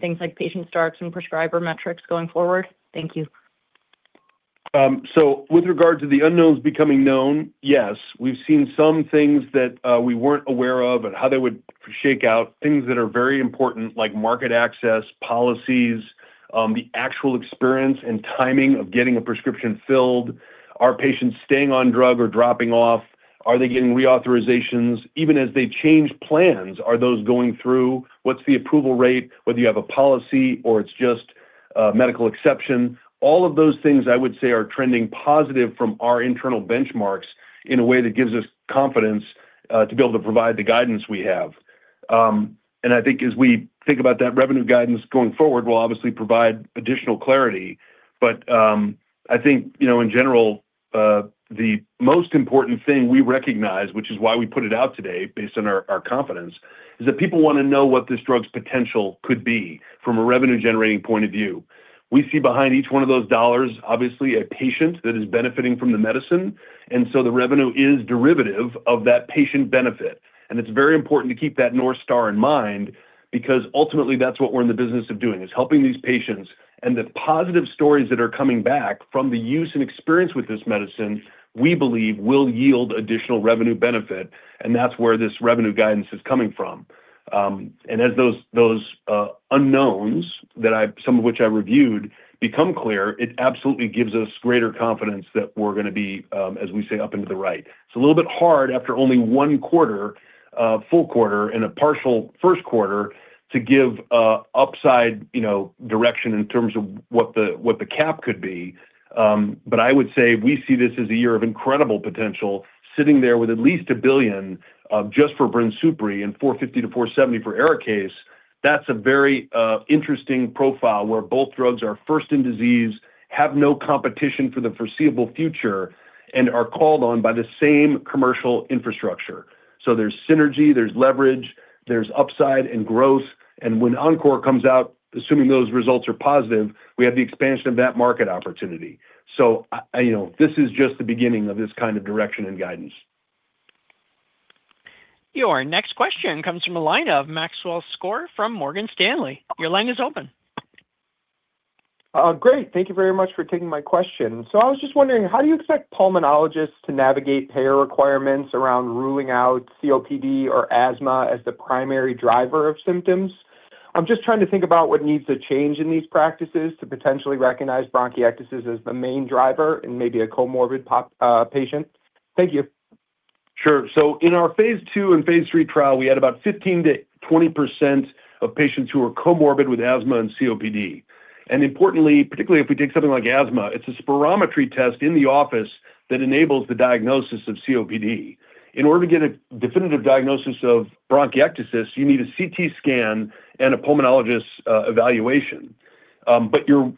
things like patient starts and prescriber metrics going forward? Thank you. So with regard to the unknowns becoming known, yes. We've seen some things that, we weren't aware of and how they would shake out, things that are very important, like market access, policies, the actual experience and timing of getting a prescription filled. Are patients staying on drug or dropping off? Are they getting reauthorizations? Even as they change plans, are those going through? What's the approval rate? Whether you have a policy or it's just a medical exception, all of those things, I would say, are trending positive from our internal benchmarks in a way that gives us confidence to be able to provide the guidance we have. And I think as we think about that revenue guidance going forward, we'll obviously provide additional clarity. But, I think, you know, in general, the most important thing we recognize, which is why we put it out today based on our confidence, is that people wanna know what this drug's potential could be from a revenue-generating point of view. We see behind each one of those dollars, obviously, a patient that is benefiting from the medicine, and so the revenue is derivative of that patient benefit. And it's very important to keep that North Star in mind because ultimately that's what we're in the business of doing, is helping these patients. And the positive stories that are coming back from the use and experience with this medicine, we believe, will yield additional revenue benefit, and that's where this revenue guidance is coming from. As those unknowns, some of which I reviewed, become clear, it absolutely gives us greater confidence that we're gonna be, as we say, up into the right. It's a little bit hard after only one quarter, a full quarter and a partial first quarter, to give an upside, you know, direction in terms of what the cap could be. But I would say we see this as a year of incredible potential, sitting there with at least $1 billion just for BRINSUPRI and $450 million-$470 million for ARIKAYCE. That's a very interesting profile where both drugs are first in disease, have no competition for the foreseeable future, and are called on by the same commercial infrastructure. So there's synergy, there's leverage, there's upside and growth, and when ENCORE comes out, assuming those results are positive, we have the expansion of that market opportunity. So I, you know, this is just the beginning of this kind of direction and guidance. Your next question comes from the line of Maxwell Skor from Morgan Stanley. Your line is open. Great. Thank you very much for taking my question. So I was just wondering, how do you expect pulmonologists to navigate payer requirements around ruling out COPD or asthma as the primary driver of symptoms? I'm just trying to think about what needs to change in these practices to potentially recognize bronchiectasis as the main driver in maybe a comorbid pop, patient. Thank you. Sure. So in our phase II and phase III trial, we had about 15%-20% of patients who were comorbid with asthma and COPD. And importantly, particularly if we take something like asthma, it's a spirometry test in the office that enables the diagnosis of COPD. In order to get a definitive diagnosis of bronchiectasis, you need a CT scan and a pulmonologist's evaluation. But you're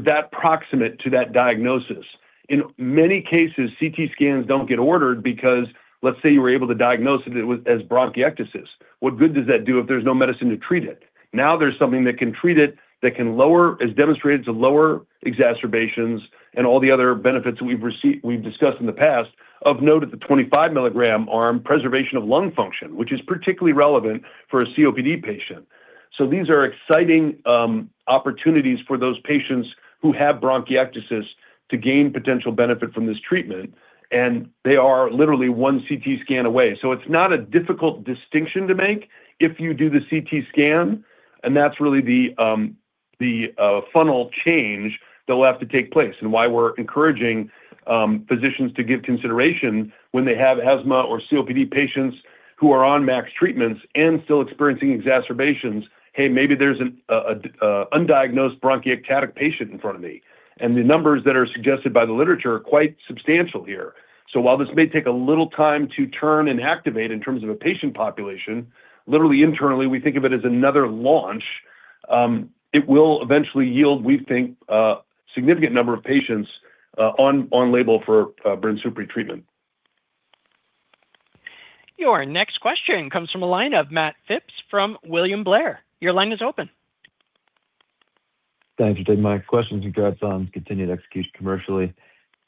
that proximate to that diagnosis. In many cases, CT scans don't get ordered because, let's say you were able to diagnose it as bronchiectasis. What good does that do if there's no medicine to treat it? Now there's something that can treat it, that can lower, has demonstrated to lower exacerbations and all the other benefits we've received. We've discussed in the past, of note at the 25 mg arm, preservation of lung function, which is particularly relevant for a COPD patient. So these are exciting opportunities for those patients who have bronchiectasis to gain potential benefit from this treatment, and they are literally one CT scan away. So it's not a difficult distinction to make if you do the CT scan, and that's really the funnel change that will have to take place and why we're encouraging physicians to give consideration when they have asthma or COPD patients who are on max treatments and still experiencing exacerbations. Hey, maybe there's an undiagnosed bronchiectasis patient in front of me. The numbers that are suggested by the literature are quite substantial here. While this may take a little time to turn and activate in terms of a patient population, literally internally, we think of it as another launch, it will eventually yield, we think, a significant number of patients, on label for BRINSUPRI treatment. Your next question comes from a line of Matt Phipps from William Blair. Your line is open. Thank you for taking my question. Congrats on continued execution commercially.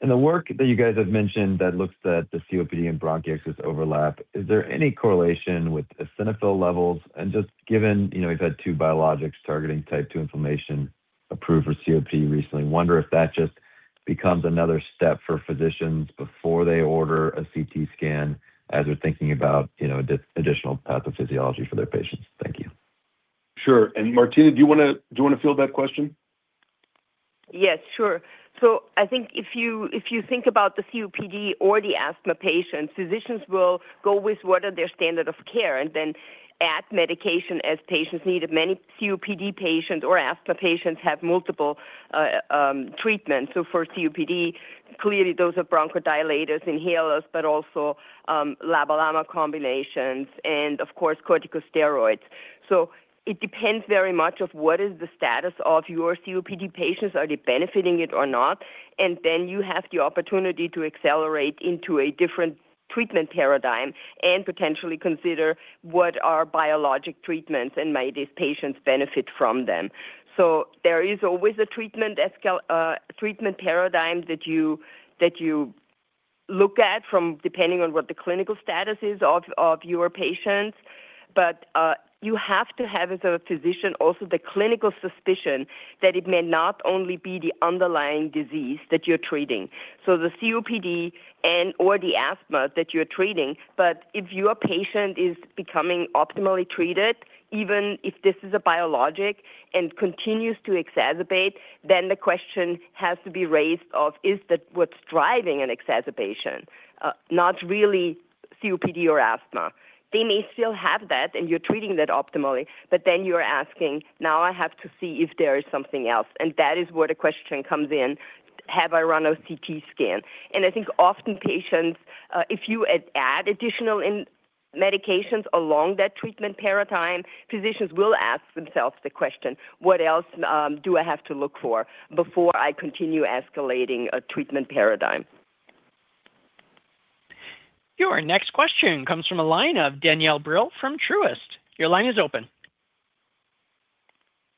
In the work that you guys have mentioned that looks at the COPD and bronchiectasis overlap, is there any correlation with eosinophil levels? And just given, you know, we've had two biologics targeting type two inflammation approved for COPD recently, wonder if that just becomes another step for physicians before they order a CT scan as they're thinking about, you know, additional pathophysiology for their patients. Thank you. Sure. And Martina, do you wanna, do you wanna field that question? Yes, sure. So I think if you, if you think about the COPD or the asthma patients, physicians will go with what are their standard of care and then add medication as patients need it. Many COPD patients or asthma patients have multiple treatments. So for COPD, clearly, those are bronchodilators, inhalers, but also LAMA/LABA combinations, and of course, corticosteroids. So it depends very much of what is the status of your COPD patients, are they benefiting it or not? And then you have the opportunity to accelerate into a different treatment paradigm and potentially consider what are biologic treatments and might these patients benefit from them. So there is always a treatment escalation paradigm that you, that you look at from depending on what the clinical status is of your patients. But you have to have, as a physician, also the clinical suspicion that it may not only be the underlying disease that you're treating, so the COPD and/or the asthma that you're treating. But if your patient is becoming optimally treated, even if this is a biologic and continues to exacerbate, then the question has to be raised of: Is that what's driving an exacerbation? Not really COPD or asthma. They may still have that, and you're treating that optimally, but then you're asking, "Now I have to see if there is something else." And that is where the question comes in: "Have I run a CT scan?" And I think often patients, if you add additional medications along that treatment paradigm, physicians will ask themselves the question, "What else do I have to look for before I continue escalating a treatment paradigm? Your next question comes from a line of Danielle Brill from Truist. Your line is open.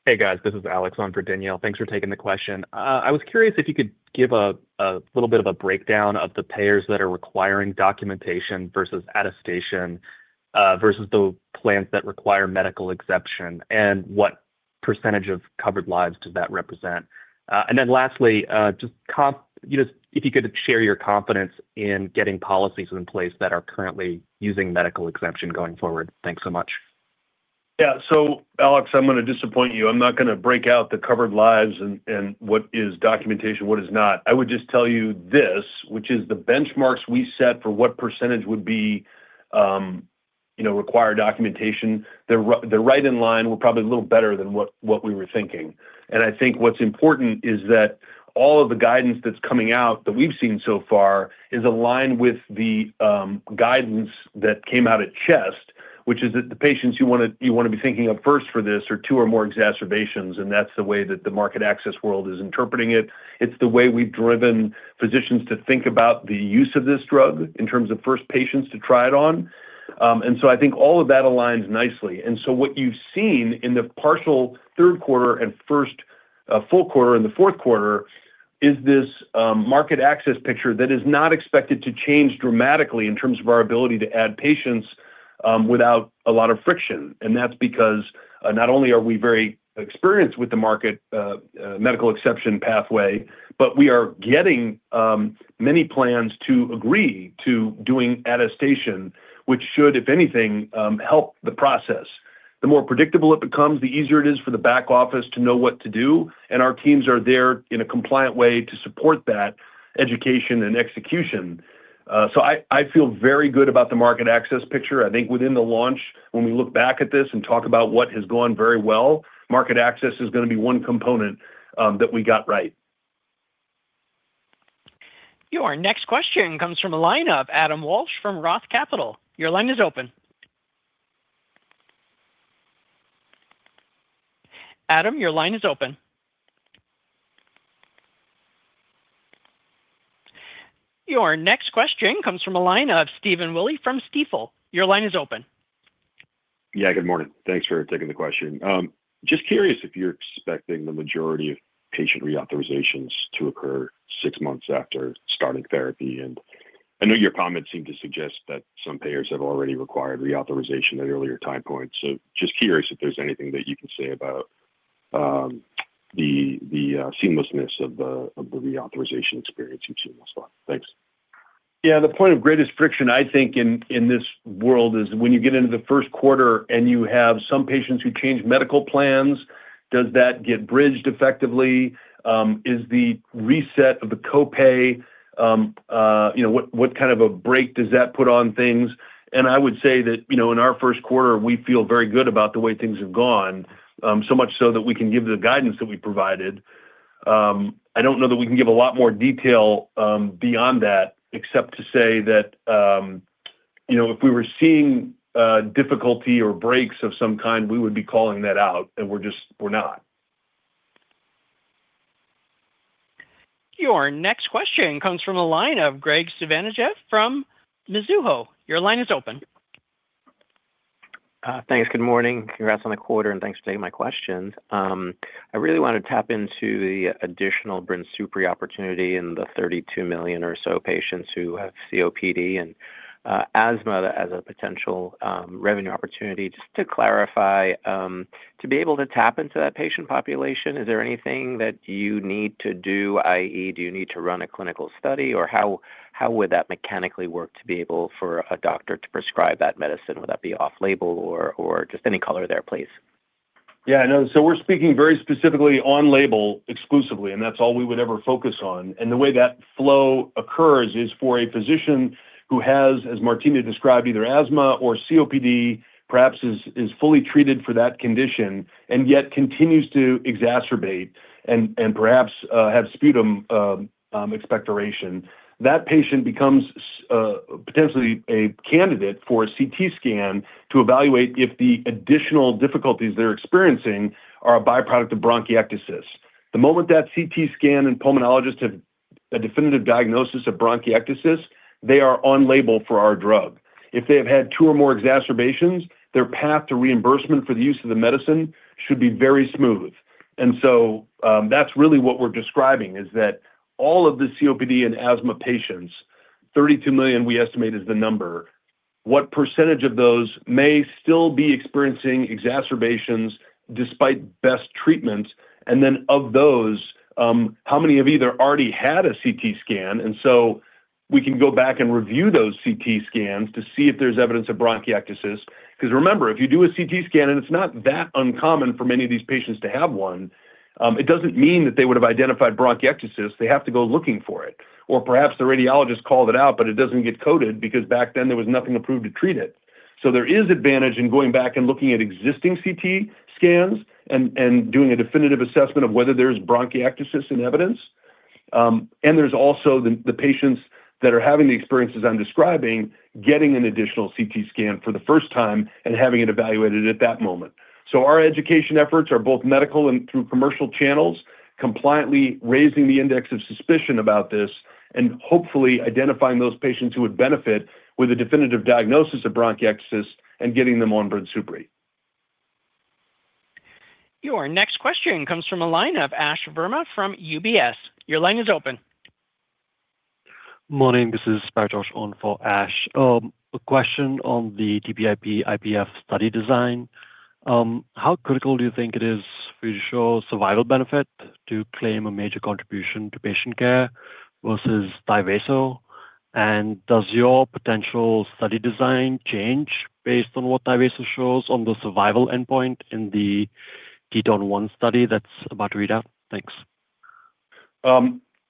Hey, guys. This is Alex on for Danielle. Thanks for taking the question. I was curious if you could give a little bit of a breakdown of the payers that are requiring documentation versus attestation versus the plans that require medical exception and what percentage of covered lives does that represent? And then lastly, just you know, if you could share your confidence in getting policies in place that are currently using medical exemption going forward. Thanks so much. Yeah. So Alex, I'm going to disappoint you. I'm not going to break out the covered lives and what is documentation, what is not. I would just tell you this, which is the benchmarks we set for what percentage would be, you know, required documentation. They're right in line, we're probably a little better than what we were thinking. And I think what's important is that all of the guidance that's coming out that we've seen so far is aligned with the guidance that came out at Chest, which is that the patients you wanna, you wanna be thinking of first for this are two or more exacerbations, and that's the way that the market access world is interpreting it. It's the way we've driven physicians to think about the use of this drug in terms of first patients to try it on. And so I think all of that aligns nicely. And so what you've seen in the partial third quarter and first full quarter in the fourth quarter is this market access picture that is not expected to change dramatically in terms of our ability to add patients without a lot of friction. And that's because not only are we very experienced with the market medical exception pathway, but we are getting many plans to agree to doing attestation, which should, if anything, help the process. The more predictable it becomes, the easier it is for the back office to know what to do, and our teams are there in a compliant way to support that education and execution. So I feel very good about the market access picture. I think within the launch, when we look back at this and talk about what has gone very well, market access is going to be one component, that we got right. Your next question comes from a line of Adam Walsh from Roth Capital. Your line is open. Adam, your line is open. Your next question comes from a line of Steven Willey from Stifel. Your line is open. Yeah, good morning. Thanks for taking the question. Just curious if you're expecting the majority of patient reauthorizations to occur six months after starting therapy. And I know your comments seem to suggest that some payers have already required reauthorization at earlier time points. So just curious if there's anything that you can say about the seamlessness of the reauthorization experience you've seen thus far. Thanks. Yeah, the point of greatest friction, I think in, in this world, is when you get into the first quarter and you have some patients who change medical plans, does that get bridged effectively? Is the reset of the copay, you know, what, what kind of a break does that put on things? And I would say that, you know, in our first quarter, we feel very good about the way things have gone, so much so that we can give the guidance that we provided. I don't know that we can give a lot more detail, beyond that, except to say that, you know, if we were seeing, difficulty or breaks of some kind, we would be calling that out, and we're just, we're not. Your next question comes from the line of Graig Suvannavejh from Mizuho. Your line is open. Thanks. Good morning. Congrats on the quarter, and thanks for taking my questions. I really want to tap into the additional BRINSUPRI opportunity and the 32 million or so patients who have COPD and asthma as a potential revenue opportunity. Just to clarify, to be able to tap into that patient population, is there anything that you need to do, i.e., do you need to run a clinical study? Or how would that mechanically work to be able for a doctor to prescribe that medicine? Would that be off-label or just any color there, please? Yeah, I know. So we're speaking very specifically on label exclusively, and that's all we would ever focus on. And the way that flow occurs is for a physician who has, as Martina described, either asthma or COPD, perhaps is fully treated for that condition, and yet continues to exacerbate and perhaps have sputum expectoration. That patient becomes potentially a candidate for a CT scan to evaluate if the additional difficulties they're experiencing are a byproduct of bronchiectasis. The moment that CT scan and pulmonologist have a definitive diagnosis of bronchiectasis, they are on label for our drug. If they have had two or more exacerbations, their path to reimbursement for the use of the medicine should be very smooth. That's really what we're describing, is that all of the COPD and asthma patients, 32 million we estimate is the number, what percentage of those may still be experiencing exacerbations despite best treatment? And then of those, how many have either already had a CT scan? And so we can go back and review those CT scans to see if there's evidence of bronchiectasis. Because remember, if you do a CT scan and it's not that uncommon for many of these patients to have one, it doesn't mean that they would have identified bronchiectasis, they have to go looking for it. Or perhaps the radiologist called it out, but it doesn't get coded because back then there was nothing approved to treat it. So there is advantage in going back and looking at existing CT scans and doing a definitive assessment of whether there's bronchiectasis in evidence. And there's also the patients that are having the experiences I'm describing, getting an additional CT scan for the first time and having it evaluated at that moment. So our education efforts are both medical and through commercial channels, compliantly raising the index of suspicion about this and hopefully identifying those patients who would benefit with a definitive diagnosis of bronchiectasis and getting them on BRINSUPRI. Your next question comes from a line of Ash Verma from UBS. Your line is open. Morning, this is Josh on for Ash. A question on the TPIP IPF study design. How critical do you think it is for you to show survival benefit to claim a major contribution to patient care versus Tyvaso? And does your potential study design change based on what Tyvaso shows on the survival endpoint in the TETON 1 study that's about to read out? Thanks.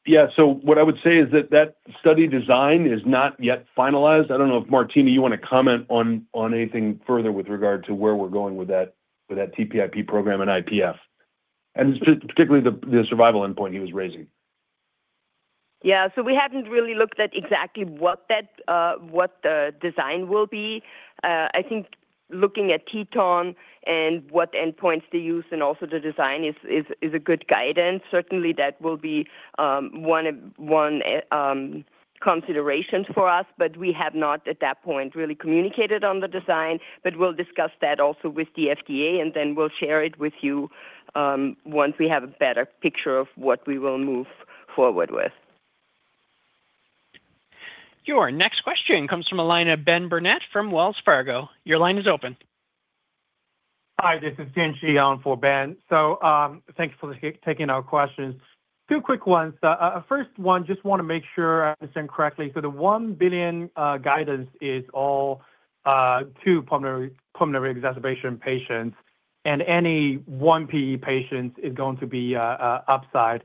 Yeah. So what I would say is that that study design is not yet finalized. I don't know if, Martina, you want to comment on anything further with regard to where we're going with that TPIP program and IPF, and particularly the survival endpoint he was raising. Yeah, so we haven't really looked at exactly what that, what the design will be. I think looking at TETON and what endpoints they use and also the design is a good guidance. Certainly, that will be one of considerations for us, but we have not, at that point, really communicated on the design. But we'll discuss that also with the FDA, and then we'll share it with you, once we have a better picture of what we will move forward with. Your next question comes from a line of Ben Burnett from Wells Fargo. Your line is open. Hi, this is Jin Shi on for Ben. So, thank you for taking our questions. Two quick ones. First one, just want to make sure I understand correctly. So the $1 billion guidance is all to pulmonary exacerbation patients, and any one PE patient is going to be upside.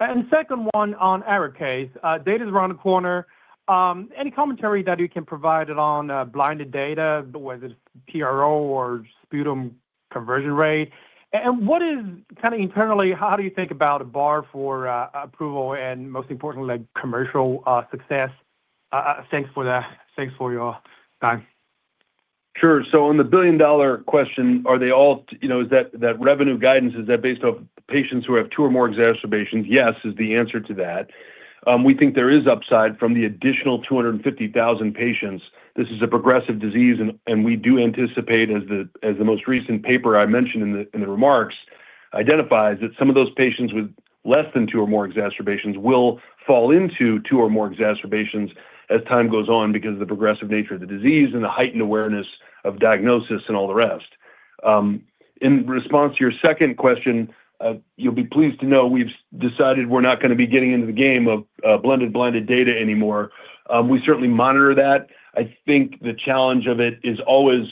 And second one on ARIKAYCE. Date is around the corner. Any commentary that you can provide on blinded data, whether it's PRO or sputum conversion rate? And what is... Kind of internally, how do you think about a bar for approval and, most importantly, commercial success? Thanks for that. Thanks for your time. Sure. So on the billion-dollar question, are they all, you know, is that, that revenue guidance, is that based off patients who have two or more exacerbations? Yes, is the answer to that. We think there is upside from the additional 250,000 patients. This is a progressive disease, and we do anticipate, as the most recent paper I mentioned in the remarks, identifies that some of those patients with less than two or more exacerbations will fall into two or more exacerbations as time goes on because of the progressive nature of the disease and the heightened awareness of diagnosis and all the rest. In response to your second question, you'll be pleased to know we've decided we're not gonna be getting into the game of blended, blinded data anymore. We certainly monitor that. I think the challenge of it is always,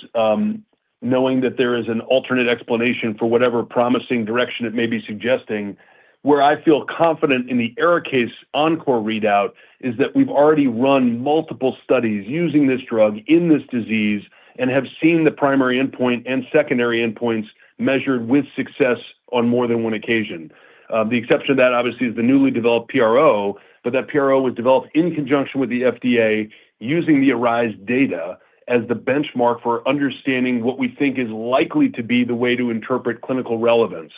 knowing that there is an alternate explanation for whatever promising direction it may be suggesting. Where I feel confident in the ARIKAYCE ENCORE readout is that we've already run multiple studies using this drug in this disease and have seen the primary endpoint and secondary endpoints measured with success on more than one occasion. The exception to that, obviously, is the newly developed PRO, but that PRO was developed in conjunction with the FDA, using the ARISE data as the benchmark for understanding what we think is likely to be the way to interpret clinical relevance.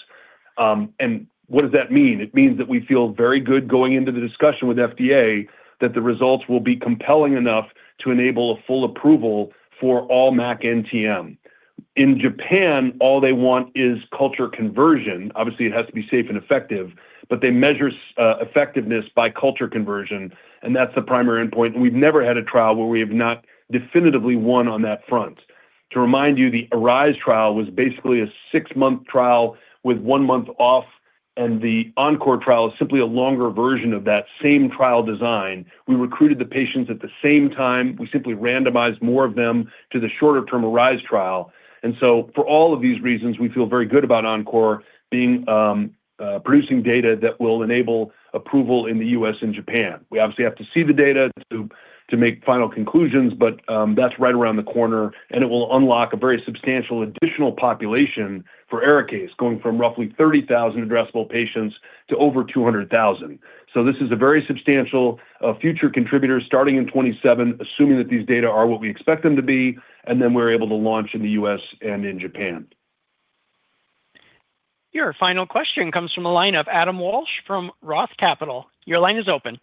What does that mean? It means that we feel very good going into the discussion with FDA, that the results will be compelling enough to enable a full approval for all MAC NTM. In Japan, all they want is culture conversion. Obviously, it has to be safe and effective, but they measure effectiveness by culture conversion, and that's the primary endpoint. We've never had a trial where we have not definitively won on that front. To remind you, the ARISE trial was basically a six-month trial with one month off, and the ENCORE trial is simply a longer version of that same trial design. We recruited the patients at the same time. We simply randomized more of them to the shorter term ARISE trial. And so for all of these reasons, we feel very good about ENCORE being producing data that will enable approval in the US and Japan. We obviously have to see the data to make final conclusions, but that's right around the corner, and it will unlock a very substantial additional population for ARIKAYCE, going from roughly 30,000 addressable patients to over 200,000. So this is a very substantial future contributor starting in 2027, assuming that these data are what we expect them to be, and then we're able to launch in the U.S. and in Japan. Your final question comes from a line of Adam Walsh from Roth Capital. Your line is open.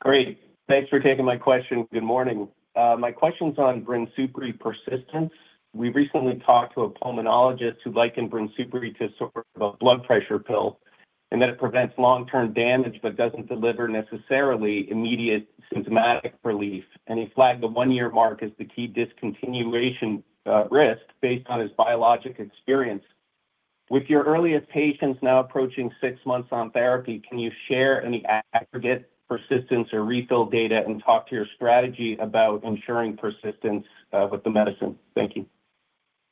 Great. Thanks for taking my question. Good morning. My question is on BRINSUPRI persistence. We recently talked to a pulmonologist who liken BRINSUPRI to sort of a blood pressure pill and that it prevents long-term damage but doesn't deliver necessarily immediate symptomatic relief. And he flagged the one-year mark as the key discontinuation risk based on his biological experience. With your earliest patients now approaching six months on therapy, can you share any aggregate persistence or refill data and talk to your strategy about ensuring persistence with the medicine? Thank you.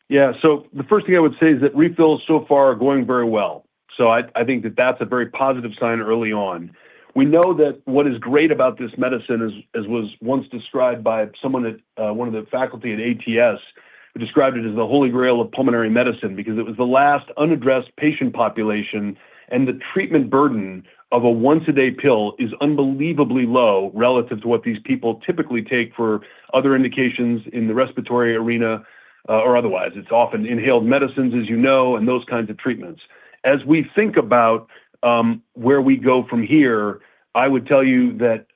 Yeah. So the first thing I would say is that refills so far are going very well. So I think that that's a very positive sign early on. We know that what is great about this medicine is, as was once described by someone at one of the faculty at ATS, who described it as the Holy Grail of pulmonary medicine because it was the last unaddressed patient population, and the treatment burden of a once-a-day pill is unbelievably low relative to what these people typically take for other indications in the respiratory arena, or otherwise. It's often inhaled medicines, as you know, and those kinds of treatments. As we think about where we go from here, I would tell you that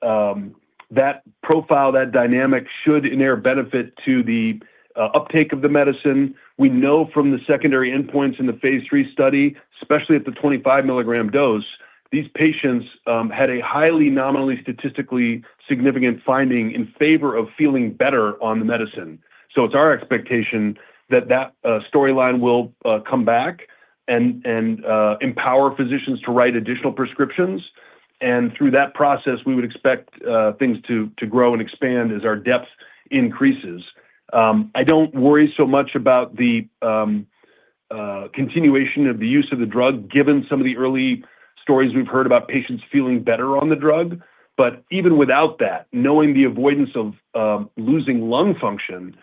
that profile, that dynamic, should inure benefit to the uptake of the medicine. We know from the secondary endpoints in the phase III study, especially at the 25 mg dose, these patients had a highly nominally statistically significant finding in favor of feeling better on the medicine. So it's our expectation that that storyline will come back and empower physicians to write additional prescriptions, and through that process, we would expect things to grow and expand as our depth increases. I don't worry so much about the continuation of the use of the drug, given some of the early stories we've heard about patients feeling better on the drug. But even without that, knowing the avoidance of losing lung function,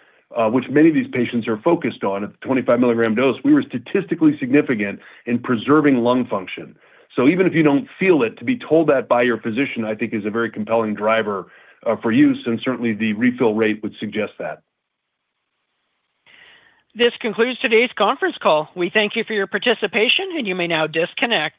which many of these patients are focused on, at the 25 mg dose, we were statistically significant in preserving lung function. So even if you don't feel it, to be told that by your physician, I think is a very compelling driver, for use, and certainly, the refill rate would suggest that. This concludes today's conference call. We thank you for your participation, and you may now disconnect.